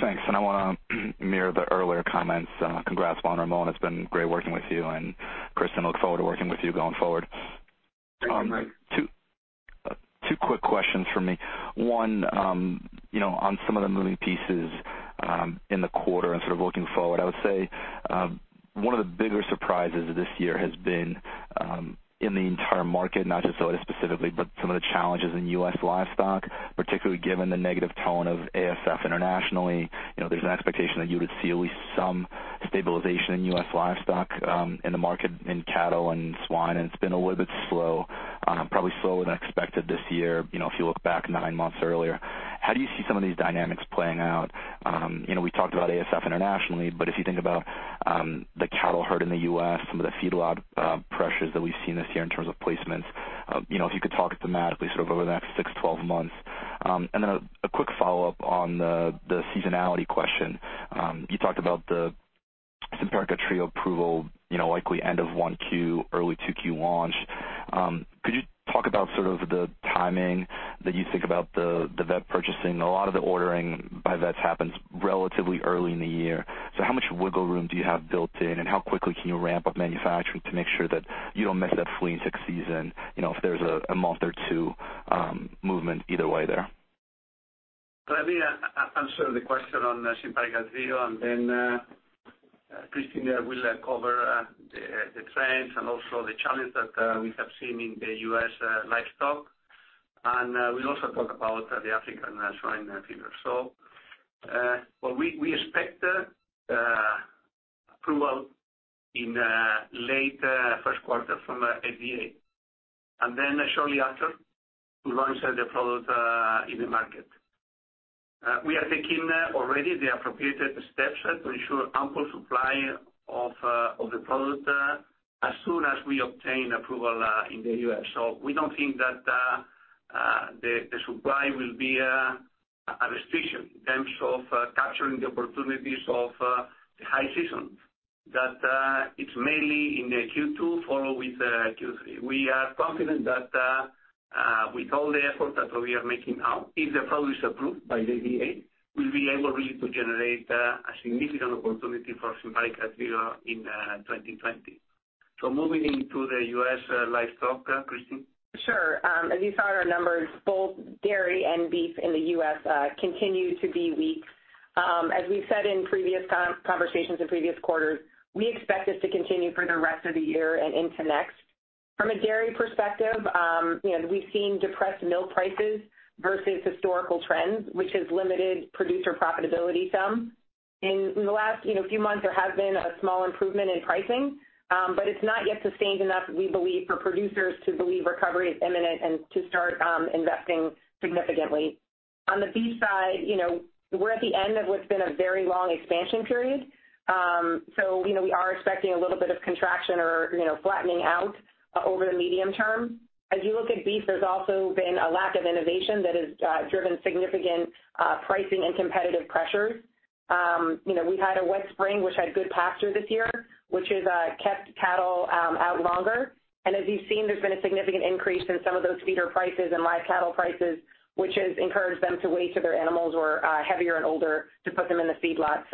Thanks, and I want to mirror the earlier comments. Congrats, Juan Ramón, it's been great working with you, and Kristin, I look forward to working with you going forward. Thank you, Mike. Two quick questions from me. One, on some of the moving pieces in the quarter and sort of looking forward, I would say, one of the bigger surprises this year has been, in the entire market, not just Zoetis specifically, but some of the challenges in U.S. livestock, particularly given the negative tone of ASF internationally. There's an expectation that you would see at least some stabilization in U.S. livestock, in the market in cattle and swine, and it's been a little bit slow, probably slower than expected this year, if you look back nine months earlier. How do you see some of these dynamics playing out? We talked about ASF internationally, but if you think about the cattle herd in the U.S., some of the feedlot pressures that we've seen this year in terms of placements, if you could talk thematically sort of over the next six, 12 months. A quick follow-up on the seasonality question. You talked about the Simparica Trio approval, likely end of 1Q, early 2Q launch. Could you talk about sort of the timing that you think about the vet purchasing? A lot of the ordering by vets happens relatively early in the year. How much wiggle room do you have built in, and how quickly can you ramp up manufacturing to make sure that you don't miss that flea and tick season? If there's a month or two movement either way there. Let me answer the question on Simparica Trio and then Kristin will cover the trends and also the challenge that we have seen in the U.S. livestock. We'll also talk about the African Swine Fever. We expect approval in late first quarter from the FDA, and then shortly after, we launch the product in the market. We are taking already the appropriate steps to ensure ample supply of the product as soon as we obtain approval in the U.S. We don't think that the supply will be a restriction in terms of capturing the opportunities of the high season. That it's mainly in the Q2, follow with Q3. We are confident that with all the effort that we are making now, if the product is approved by the FDA, we'll be able really to generate a significant opportunity for Simparica Trio in 2020. Moving into the U.S. livestock, Kristin. Sure. As you saw in our numbers, both dairy and beef in the U.S. continue to be weak. As we've said in previous conversations in previous quarters, we expect this to continue for the rest of the year and into next. From a dairy perspective, we've seen depressed milk prices versus historical trends, which has limited producer profitability some. In the last few months, there has been a small improvement in pricing, but it's not yet sustained enough, we believe, for producers to believe recovery is imminent and to start investing significantly. On the beef side, we're at the end of what's been a very long expansion period. We are expecting a little bit of contraction or flattening out over the medium term. As you look at beef, there's also been a lack of innovation that has driven significant pricing and competitive pressures. We've had a wet spring, which had good pasture this year, which has kept cattle out longer. As you've seen, there's been a significant increase in some of those feeder prices and live cattle prices, which has encouraged them to wait till their animals were heavier and older to put them in the feedlot.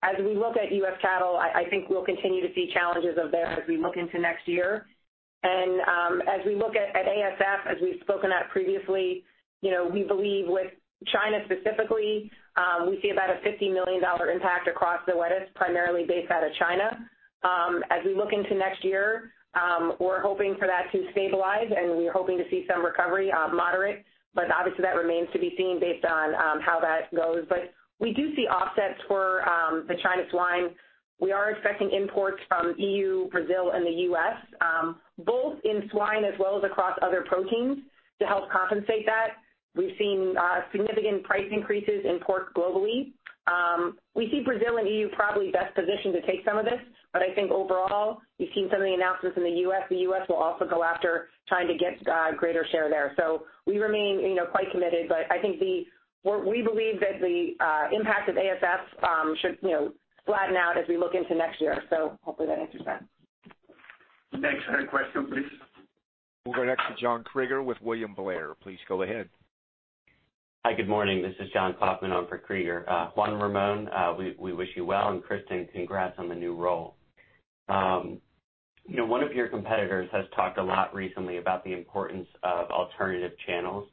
As we look at U.S. cattle, I think we'll continue to see challenges there as we look into next year. As we look at ASF, as we've spoken at previously, we believe with China specifically, we see about a $50 million impact across Zoetis, primarily based out of China. As we look into next year, we're hoping for that to stabilize, and we are hoping to see some recovery, moderate, but obviously that remains to be seen based on how that goes. We do see offsets for the China swine. We are expecting imports from EU, Brazil, and the U.S., both in swine as well as across other proteins to help compensate that. We've seen significant price increases in pork globally. We see Brazil and EU probably best positioned to take some of this. I think overall, we've seen some of the announcements in the U.S. The U.S. will also go after trying to get greater share there. We remain quite committed. I think we believe that the impact of ASF should flatten out as we look into next year. Hopefully that answers that. Next question, please. We'll go next to John Kreger with William Blair. Please go ahead. Hi, good morning. This is John Kaufman on for John Kreger. Juan Ramón, we wish you well, and Kristin, congrats on the new role. One of your competitors has talked a lot recently about the importance of alternative channels.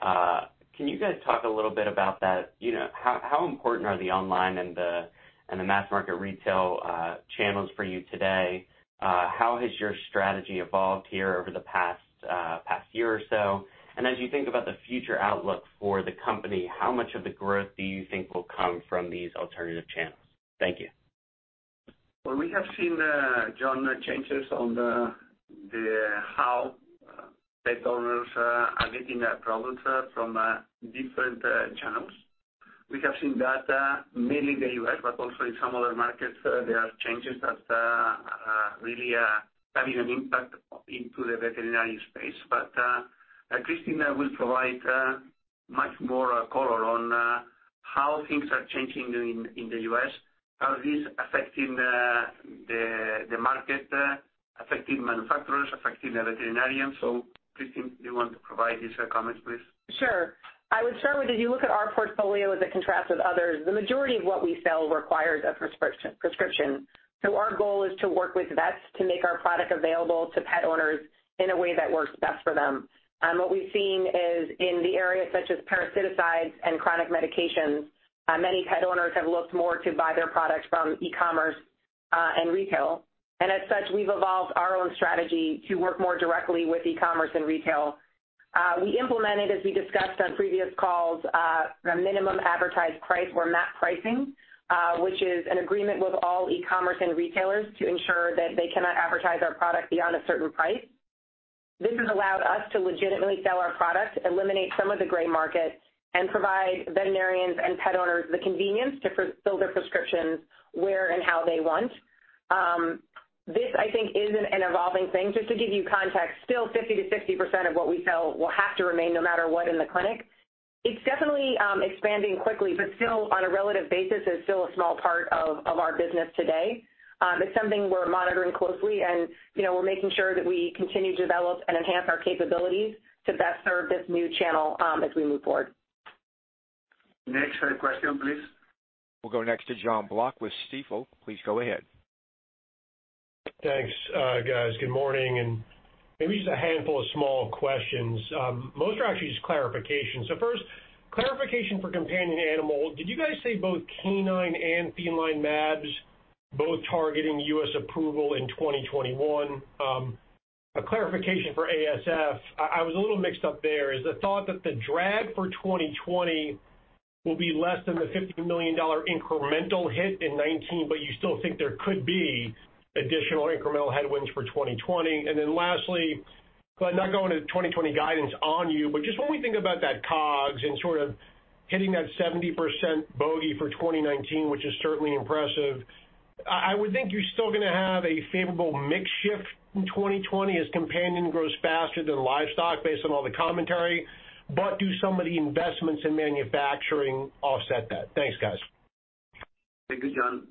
Can you guys talk a little bit about that? How important are the online and the mass market retail channels for you today? How has your strategy evolved here over the past year or so? As you think about the future outlook for the company, how much of the growth do you think will come from these alternative channels? Thank you. Well, we have seen, John, changes on how pet owners are getting their products from different channels. We have seen that mainly in the U.S., but also in some other markets, there are changes that are really having an impact into the veterinary space. Kristin will provide much more color on how things are changing in the U.S. How is this affecting the market, affecting manufacturers, affecting the veterinarians? Kristin, do you want to provide these comments, please? Sure. I would start with, as you look at our portfolio as it contrasts with others, the majority of what we sell requires a prescription. Our goal is to work with vets to make our product available to pet owners in a way that works best for them. What we've seen is in the areas such as parasiticides and chronic medications, many pet owners have looked more to buy their products from e-commerce, and retail. As such, we've evolved our own strategy to work more directly with e-commerce and retail. We implemented, as we discussed on previous calls, a minimum advertised price or MAP pricing, which is an agreement with all e-commerce and retailers to ensure that they cannot advertise our product beyond a certain price. This has allowed us to legitimately sell our product, eliminate some of the gray market, and provide veterinarians and pet owners the convenience to fill their prescriptions where and how they want. This, I think, is an an evolving thing. Just to give you context, still 50%-60% of what we sell will have to remain no matter what in the clinic. It's definitely expanding quickly, but still on a relative basis is still a small part of our business today. It's something we're monitoring closely, and we're making sure that we continue to develop and enhance our capabilities to best serve this new channel as we move forward. Next question, please. We'll go next to John Block with Stifel. Please go ahead. Thanks, guys. Good morning. Maybe just a handful of small questions. Most are actually just clarifications. First, clarification for companion animals. Did you guys say both canine and feline mAbs both targeting U.S. approval in 2021? A clarification for ASF. I was a little mixed up there. Is the thought that the drag for 2020 will be less than the $50 million incremental hit in 2019, but you still think there could be additional incremental headwinds for 2020? Lastly, but not going to 2020 guidance on you, but just when we think about that COGS and sort of hitting that 70% bogey for 2019, which is certainly impressive, I would think you're still going to have a favorable mix shift in 2020 as companion grows faster than livestock based on all the commentary. Do some of the investments in manufacturing offset that? Thanks, guys. Thank you, John.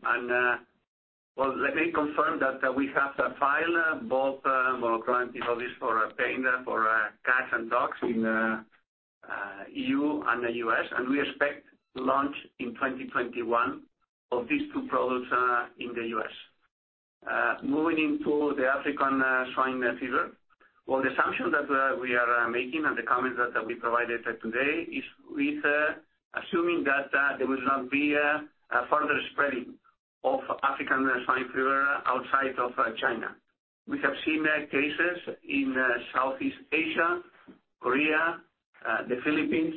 Well, let me confirm that we have filed both monoclonal antibodies for cats and dogs in EU and the U.S., and we expect to launch in 2021 of these two products in the U.S. Moving into the African swine fever. Well, the assumption that we are making and the comments that we provided today is with assuming that there will not be a further spreading of African swine fever outside of China. We have seen cases in Southeast Asia, Korea, the Philippines,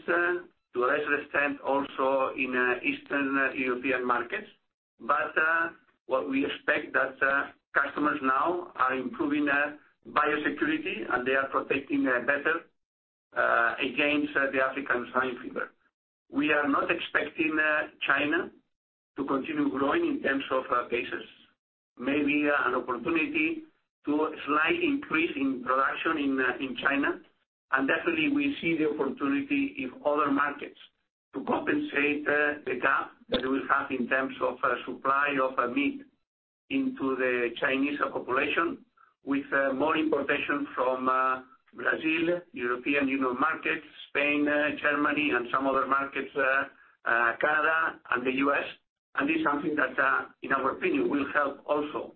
to a lesser extent also in Eastern European markets. What we expect that customers now are improving their biosecurity, and they are protecting better against the African swine fever. We are not expecting China to continue growing in terms of cases. Maybe an opportunity to a slight increase in production in China. Definitely, we see the opportunity in other markets to compensate the gap that we have in terms of supply of meat into the Chinese population with more importation: Brazil, European Union markets, Spain, Germany, and some other markets, Canada and the U.S. This is something that, in our opinion, will help also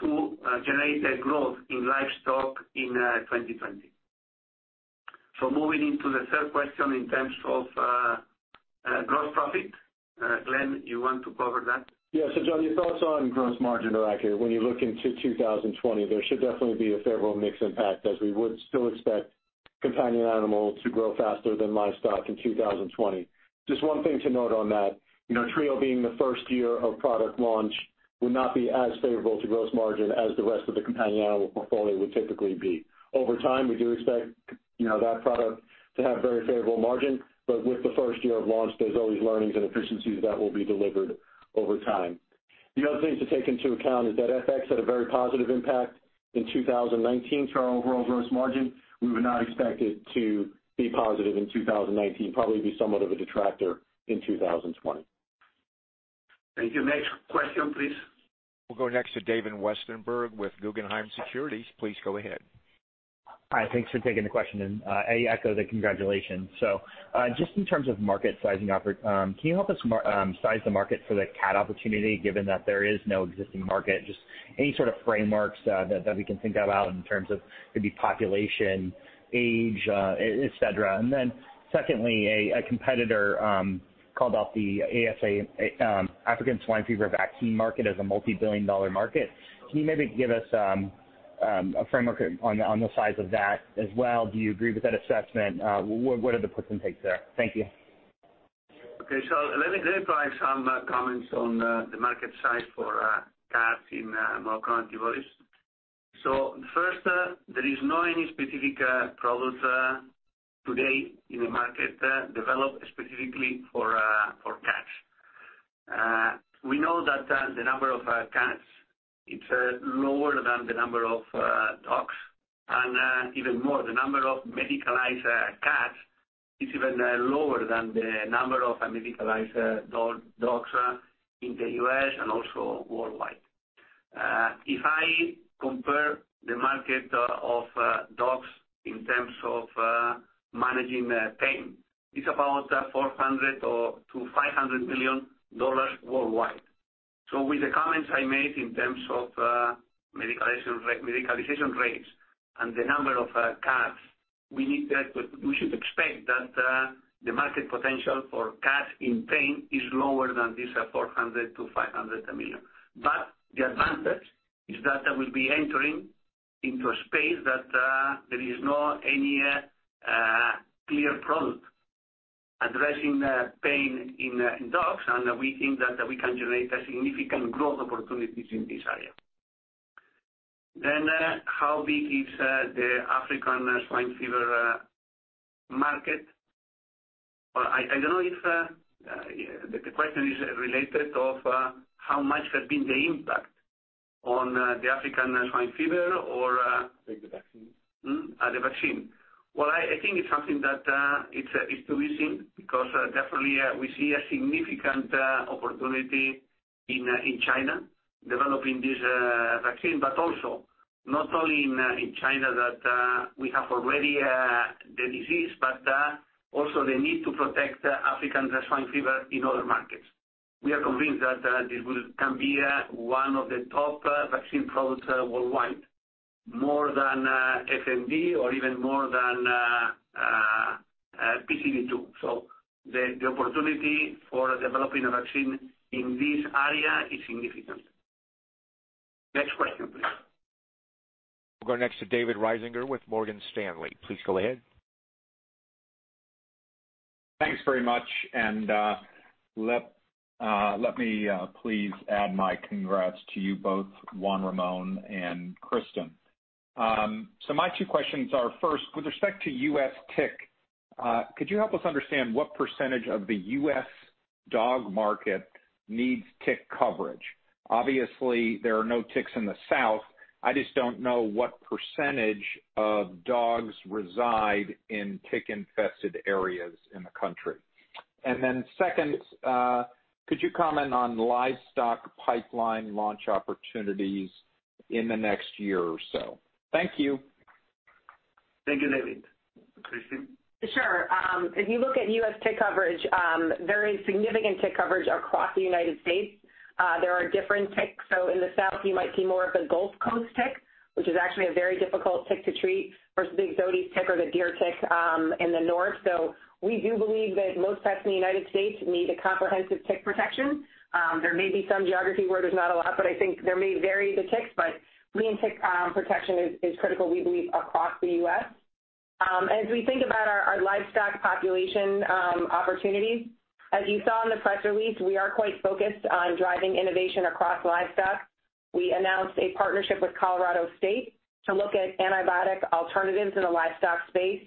to generate a growth in livestock in 2020. Moving into the third question in terms of gross profit. Glenn, you want to cover that? Yes. Juan, your thoughts on gross margin are accurate. When you look into 2020, there should definitely be a favorable mix impact, as we would still expect companion animals to grow faster than livestock in 2020. Just one thing to note on that, Trio being the first year of product launch will not be as favorable to gross margin as the rest of the companion animal portfolio would typically be. Over time, we do expect that product to have very favorable margin, but with the first year of launch, there's always learnings and efficiencies that will be delivered over time. The other thing to take into account is that FX had a very positive impact in 2019 to our overall gross margin. We would not expect it to be positive in 2019, probably be somewhat of a detractor in 2020. Thank you. Next question, please. We'll go next to David Westenberg with Guggenheim Securities. Please go ahead. Hi. Thanks for taking the question. I echo the congratulations. Just in terms of market sizing, can you help us size the market for the cat opportunity, given that there is no existing market? Just any sort of frameworks that we can think about in terms of could be population, age, et cetera. Secondly, a competitor called out the ASF, African swine fever vaccine market, as a multi-billion-dollar market. Can you maybe give us a framework on the size of that as well? Do you agree with that assessment? What are the puts and takes there? Thank you. Okay, let me provide some comments on the market size for cats in monoclonal antibodies. First, there is not any specific product today in the market developed specifically for cats. We know that the number of cats, it's lower than the number of dogs, and even more, the number of medicalized cats is even lower than the number of medicalized dogs in the U.S. and also worldwide. If I compare the market of dogs in terms of managing pain, it's about $400 million-$500 million worldwide. With the comments I made in terms of medicalization rates and the number of cats, we should expect that the market potential for cats in pain is lower than this $400 million-$500 million. The advantage is that we'll be entering into a space that there is not any clear product addressing pain in dogs, and we think that we can generate significant growth opportunities in this area. How big is the African swine fever market? I don't know if the question is related of how much has been the impact on the African swine fever. With the vaccine. The vaccine. I think it's something that is to be seen, because definitely we see a significant opportunity in China developing this vaccine, but also not only in China, that we have already the disease, but also the need to protect African Swine Fever in other markets. We are convinced that this can be one of the top vaccine products worldwide, more than FMD or even more than PCV2. The opportunity for developing a vaccine in this area is significant. Next question, please. We'll go next to David Risinger with Morgan Stanley. Please go ahead. Thanks very much. Let me please add my congrats to you both, Juan Ramón and Kristin. My two questions are, first, with respect to U.S. tick, could you help us understand what % of the U.S. dog market needs tick coverage? Obviously, there are no ticks in the South. I just don't know what % of dogs reside in tick-infested areas in the country. Second, could you comment on livestock pipeline launch opportunities in the next year or so? Thank you. Thank you, David. Kristin? Sure. If you look at U.S. tick coverage, there is significant tick coverage across the United States. There are different ticks. In the South, you might see more of a Gulf Coast tick, which is actually a very difficult tick to treat versus the Ixodes tick or the deer tick in the North. We do believe that most pets in the United States need a comprehensive tick protection. There may be some geography where there's not a lot, but I think there may vary the ticks, but we think tick protection is critical, we believe, across the U.S. As we think about our livestock population opportunities, as you saw in the press release, we are quite focused on driving innovation across livestock. We announced a partnership with Colorado State to look at antibiotic alternatives in the livestock space.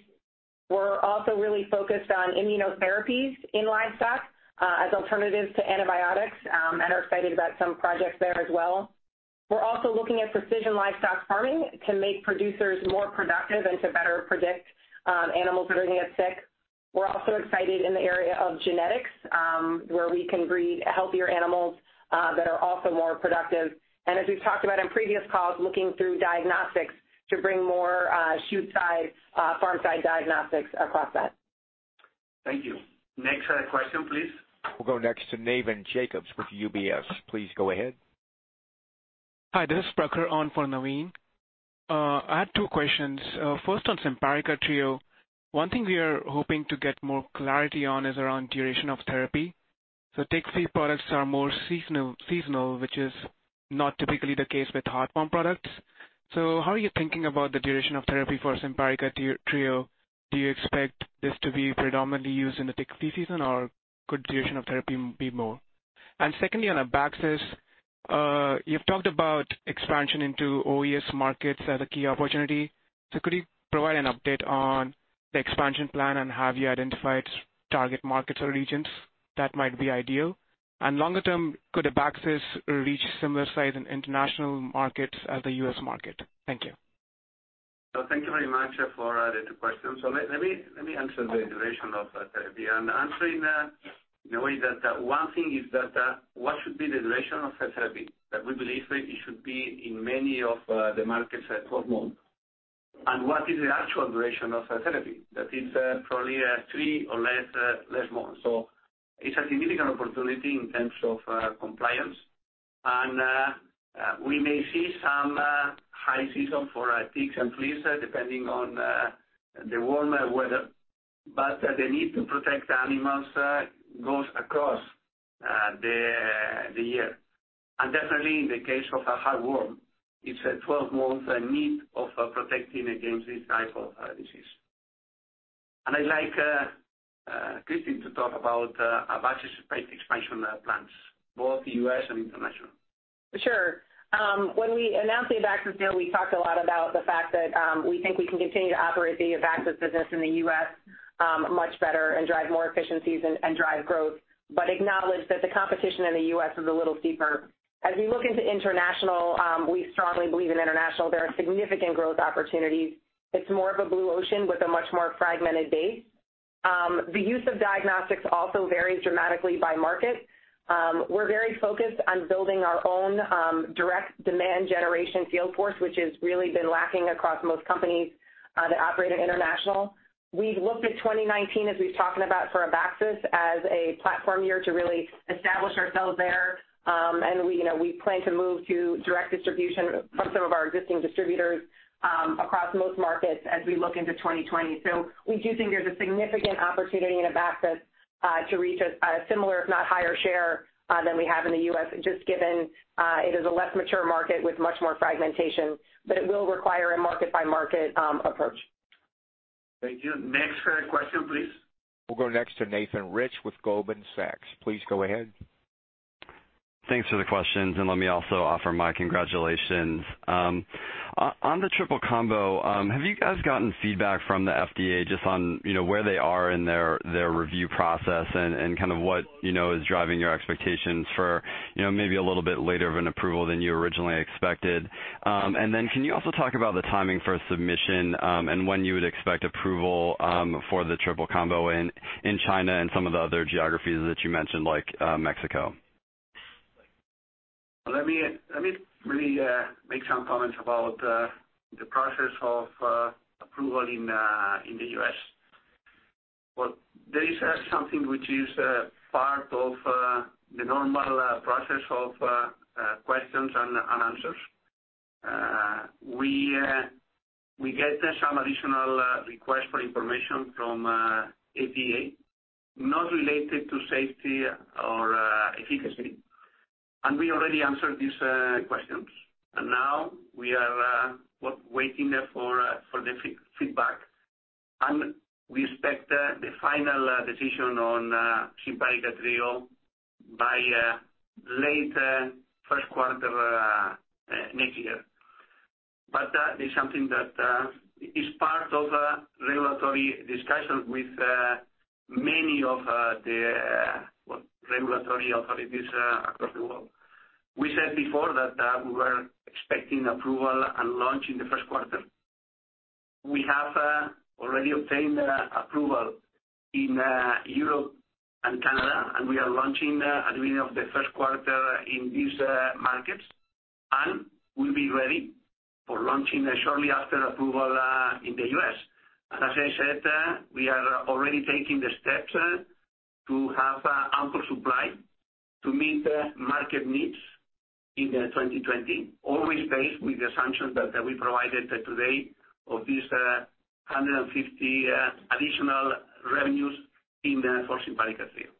We're also really focused on immunotherapies in livestock as alternatives to antibiotics and are excited about some projects there as well. We're also looking at precision livestock farming to make producers more productive and to better predict animals that are going to get sick. We're also excited in the area of genetics, where we can breed healthier animals that are also more productive. As we've talked about in previous calls, looking through diagnostics to bring more chute-side, farm-side diagnostics across that. Thank you. Next question, please. We'll go next to Navin Jacob with UBS. Please go ahead. Hi, this is Prakhar on for Navin. I had two questions. First on Simparica Trio. One thing we are hoping to get more clarity on is around duration of therapy. Tick-free products are more seasonal, which is not typically the case with heartworm products. How are you thinking about the duration of therapy for Simparica Trio? Do you expect this to be predominantly used in the tick-free season, or could duration of therapy be more? Secondly, on Abaxis, you've talked about expansion into OUS markets as a key opportunity. Could you provide an update on the expansion plan, and have you identified target markets or regions that might be ideal? Longer term, could Abaxis reach similar size in international markets as the U.S. market? Thank you. Thank you very much for the two questions. Let me answer the duration of therapy and answering that in a way that one thing is that, what should be the duration of therapy? That we believe it should be in many of the markets at 12 months. What is the actual duration of therapy? That is probably three or less months. It's a significant opportunity in terms of compliance. We may see some high season for ticks and fleas, depending on the warmer weather. The need to protect animals goes across the year. Definitely in the case of a heartworm, it's a 12 months need of protecting against this type of disease. I'd like Kristin to talk about Abaxis expansion plans, both U.S. and international. Sure. When we announced the Abaxis deal, we talked a lot about the fact that we think we can continue to operate the Abaxis business in the U.S. much better and drive more efficiencies and drive growth, but acknowledge that the competition in the U.S. is a little steeper. As we look into international, we strongly believe in international, there are significant growth opportunities. It's more of a blue ocean with a much more fragmented base. The use of diagnostics also varies dramatically by market. We're very focused on building our own direct demand generation field force, which has really been lacking across most companies that operate at international. We've looked at 2019, as we've talked about for Abaxis, as a platform year to really establish ourselves there. We plan to move to direct distribution from some of our existing distributors across most markets as we look into 2020. We do think there's a significant opportunity in Abaxis to reach a similar, if not higher share, than we have in the U.S., just given it is a less mature market with much more fragmentation, but it will require a market-by-market approach. Thank you. Next question, please. We'll go next to Nathan Rich with Goldman Sachs. Please go ahead. Thanks for the questions, and let me also offer my congratulations. On the triple combo, have you guys gotten feedback from the FDA just on where they are in their review process and kind of what is driving your expectations for maybe a little bit later of an approval than you originally expected? Can you also talk about the timing for submission, and when you would expect approval for the triple combo in China and some of the other geographies that you mentioned, like Mexico? Let me make some comments about the process of approval in the U.S. This is something which is part of the normal process of questions and answers. We get some additional requests for information from FDA, not related to safety or efficacy. We already answered these questions, and now we are waiting for the feedback. We expect the final decision on Simparica Trio by late first quarter next year. That is something that is part of regulatory discussions with many of the regulatory authorities across the world. We said before that we were expecting approval and launch in the first quarter. We have already obtained approval in Europe and Canada, and we are launching at the end of the first quarter in these markets, and we'll be ready for launching shortly after approval in the U.S. As I said, we are already taking the steps to have ample supply to meet market needs in 2020, always based with the assumption that we provided today of this $150 additional revenues for Simparica Trio.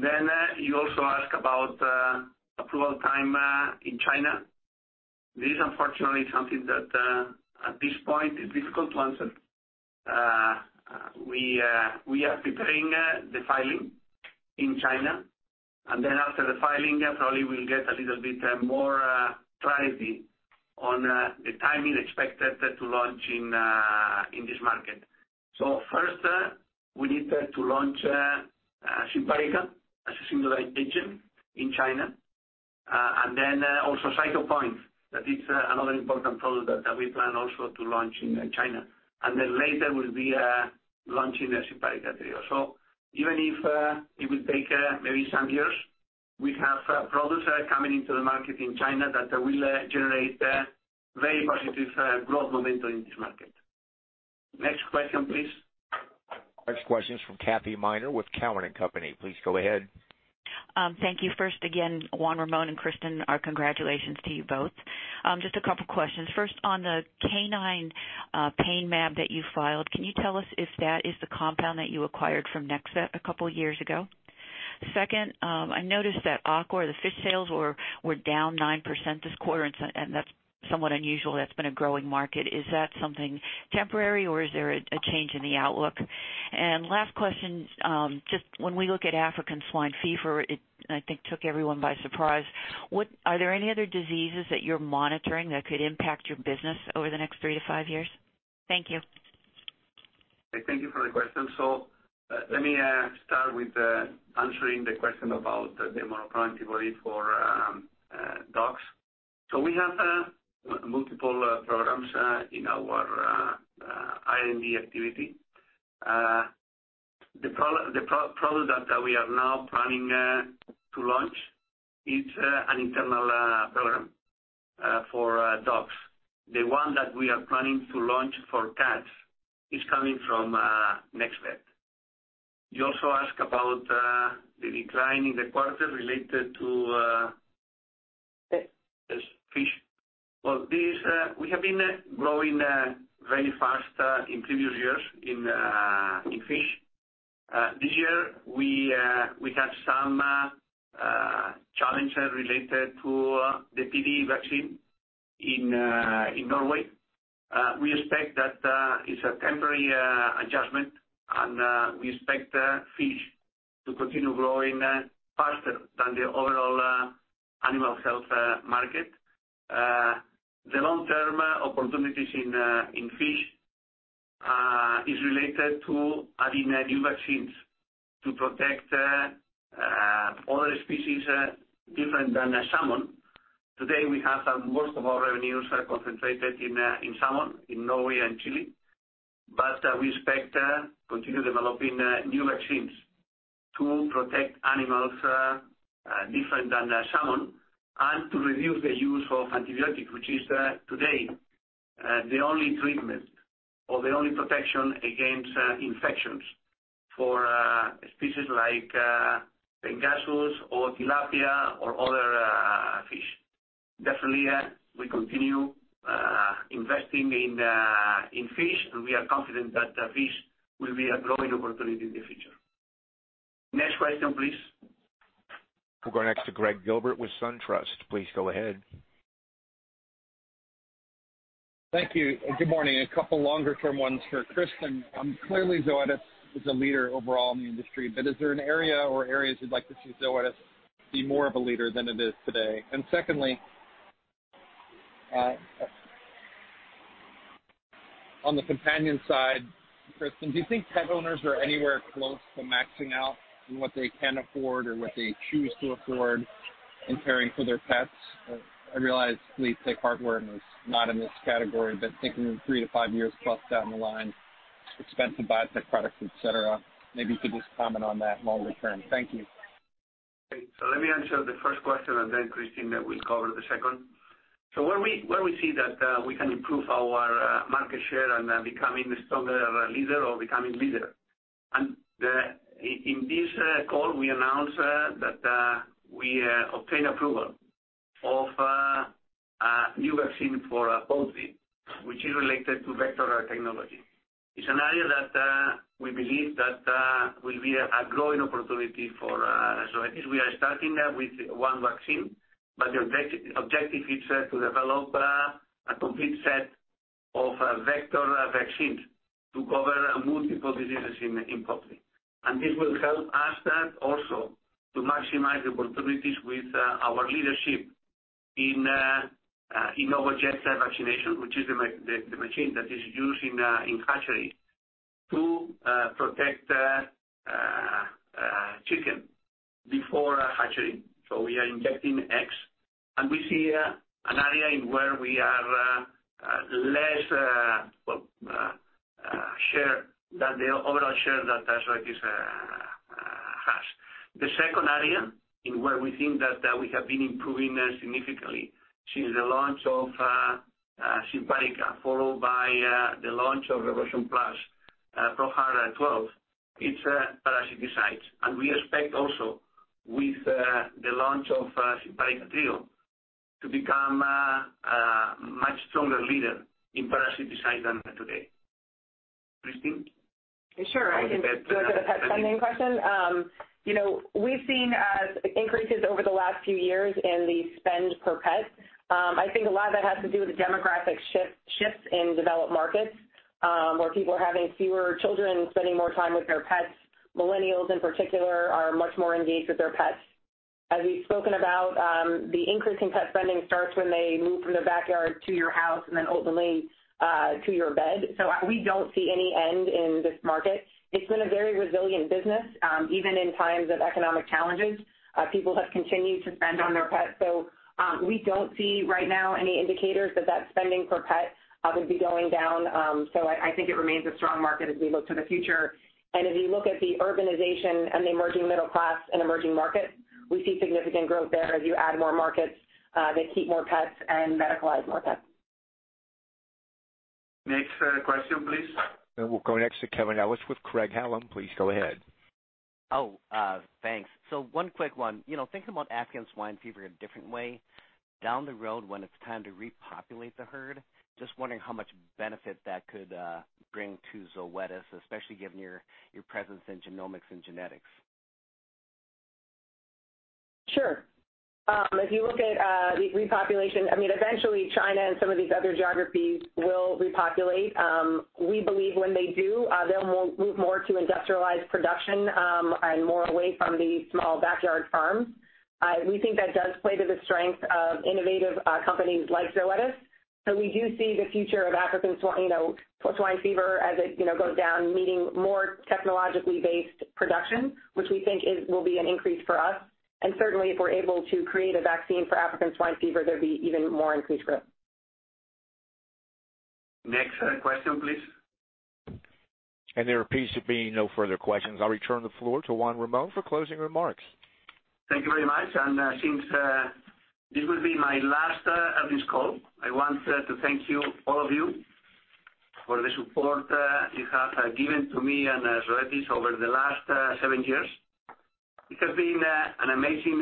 Then you also ask about approval time in China. This is unfortunately something that at this point is difficult to answer. We are preparing the filing in China, and then after the filing, probably we'll get a little bit more clarity on the timing expected to launch in this market. First, we need to launch Simparica as a single agent in China. Then also Cytopoint. That is another important product that we plan also to launch in China. Later we'll be launching Simparica Trio. Even if it will take maybe some years, we have products that are coming into the market in China that will generate very positive growth momentum in this market. Next question, please. Next question is from Kathy Miner with Cowen and Company. Please go ahead. Thank you. First again, Juan Ramón and Kristin, our congratulations to you both. Just a couple questions. First, on the canine pain mAb that you filed, can you tell us if that is the compound that you acquired from Nexvet a couple years ago? Second, I noticed that aqua, the fish sales, were down 9% this quarter. That's somewhat unusual. That's been a growing market. Is that something temporary, or is there a change in the outlook? Last question, just when we look at African Swine Fever, it, I think, took everyone by surprise. Are there any other diseases that you're monitoring that could impact your business over the next 3 to 5 years? Thank you. Thank you for the question. Let me start with answering the question about the monoclonal antibody for dogs. We have multiple programs in our R&D activity. The product that we are now planning to launch is an internal program for dogs. The one that we are planning to launch for cats is coming from Nexvet. You also ask about the decline in the quarter related to fish. We have been growing very fast in previous years in fish. This year, we have some challenges related to the PD vaccine in Norway. We expect that it's a temporary adjustment, and we expect fish to continue growing faster than the overall animal health market. The long-term opportunities in fish is related to adding new vaccines to protect other species different than salmon. Today, we have most of our revenues are concentrated in salmon in Norway and Chile. We expect to continue developing new vaccines to protect animals different than salmon and to reduce the use of antibiotics, which is today the only treatment or the only protection against infections for species like pangasius or tilapia or other fish. Definitely, we continue investing in fish, and we are confident that fish will be a growing opportunity in the future. Next question please. We'll go next to Gregg Gilbert with SunTrust. Please go ahead. Thank you. Good morning. A couple longer-term ones for Kristin. Clearly, Zoetis is a leader overall in the industry, but is there an area or areas you'd like to see Zoetis be more of a leader than it is today? Secondly, on the companion side, Kristin, do you think pet owners are anywhere close to maxing out in what they can afford or what they choose to afford in caring for their pets? I realize flea tick heartworm is not in this category, but thinking 3-5 years+ down the line, expensive biotech products, et cetera, maybe you could just comment on that longer term. Thank you. Okay. Let me answer the first question, and then Kristin will cover the second. Where we see that we can improve our market share and becoming a stronger leader or becoming leader. In this call, we announced that we obtained approval of a new vaccine for poultry, which is related to vector technology. It's an area that we believe that will be a growing opportunity for Zoetis. We are starting with one vaccine, but the objective is to develop a complete set of vector vaccines to cover multiple diseases in poultry. This will help us also to maximize opportunities with our leadership in Inovoject vaccination, which is the machine that is used in hatchery to protect chicken before hatchery. We are injecting eggs, and we see an area in where we have less share than the overall share that Zoetis has. The second area in where we think that we have been improving significantly since the launch of Simparica, followed by the launch of Revolution Plus ProHeart 12, it's parasiticides. We expect also with the launch of Simparica Trio to become a much stronger leader in parasiticides than today. Kristin? Sure. The pet funding question. We've seen increases over the last few years in the spend per pet. I think a lot of that has to do with demographic shifts in developed markets, where people are having fewer children, spending more time with their pets. Millennials in particular are much more engaged with their pets. As we've spoken about, the increase in pet spending starts when they move from their backyard to your house, and then ultimately to your bed. We don't see any end in this market. It's been a very resilient business, even in times of economic challenges. People have continued to spend on their pets. We don't see right now any indicators that that spending for pets would be going down. I think it remains a strong market as we look to the future. If you look at the urbanization and the emerging middle class and emerging markets, we see significant growth there as you add more markets, they keep more pets and medicalize more pets. Next question, please. We'll go next to Kevin Ellich with Craig-Hallum. Please go ahead. Oh, thanks. One quick one. Thinking about African swine fever a different way, down the road when it's time to repopulate the herd, just wondering how much benefit that could bring to Zoetis, especially given your presence in genomics and genetics. Sure. If you look at repopulation, eventually China and some of these other geographies will repopulate. We believe when they do, they'll move more to industrialized production, and more away from the small backyard farms. We think that does play to the strength of innovative companies like Zoetis. We do see the future of African swine fever as it goes down, meaning more technologically based production, which we think will be an increase for us. Certainly, if we're able to create a vaccine for African swine fever, there'd be even more increased growth. Next question, please. There appears to be no further questions. I'll return the floor to Juan Ramón for closing remarks. Thank you very much. Since this will be my last earnings call, I want to thank you, all of you, for the support you have given to me and Zoetis over the last seven years. It has been an amazing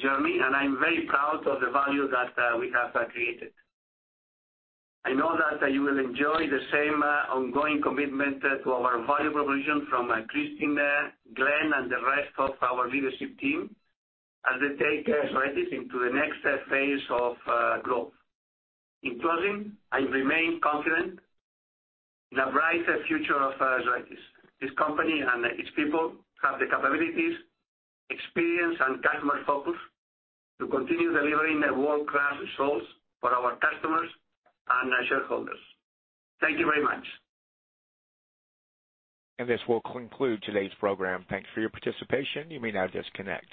journey, and I'm very proud of the value that we have created. I know that you will enjoy the same ongoing commitment to our valuable provision from Kristin, Glenn, and the rest of our leadership team as they take Zoetis into the next phase of growth. In closing, I remain confident in a brighter future of Zoetis. This company and its people have the capabilities, experience, and customer focus to continue delivering world-class results for our customers and our shareholders. Thank you very much. This will conclude today's program. Thanks for your participation. You may now disconnect.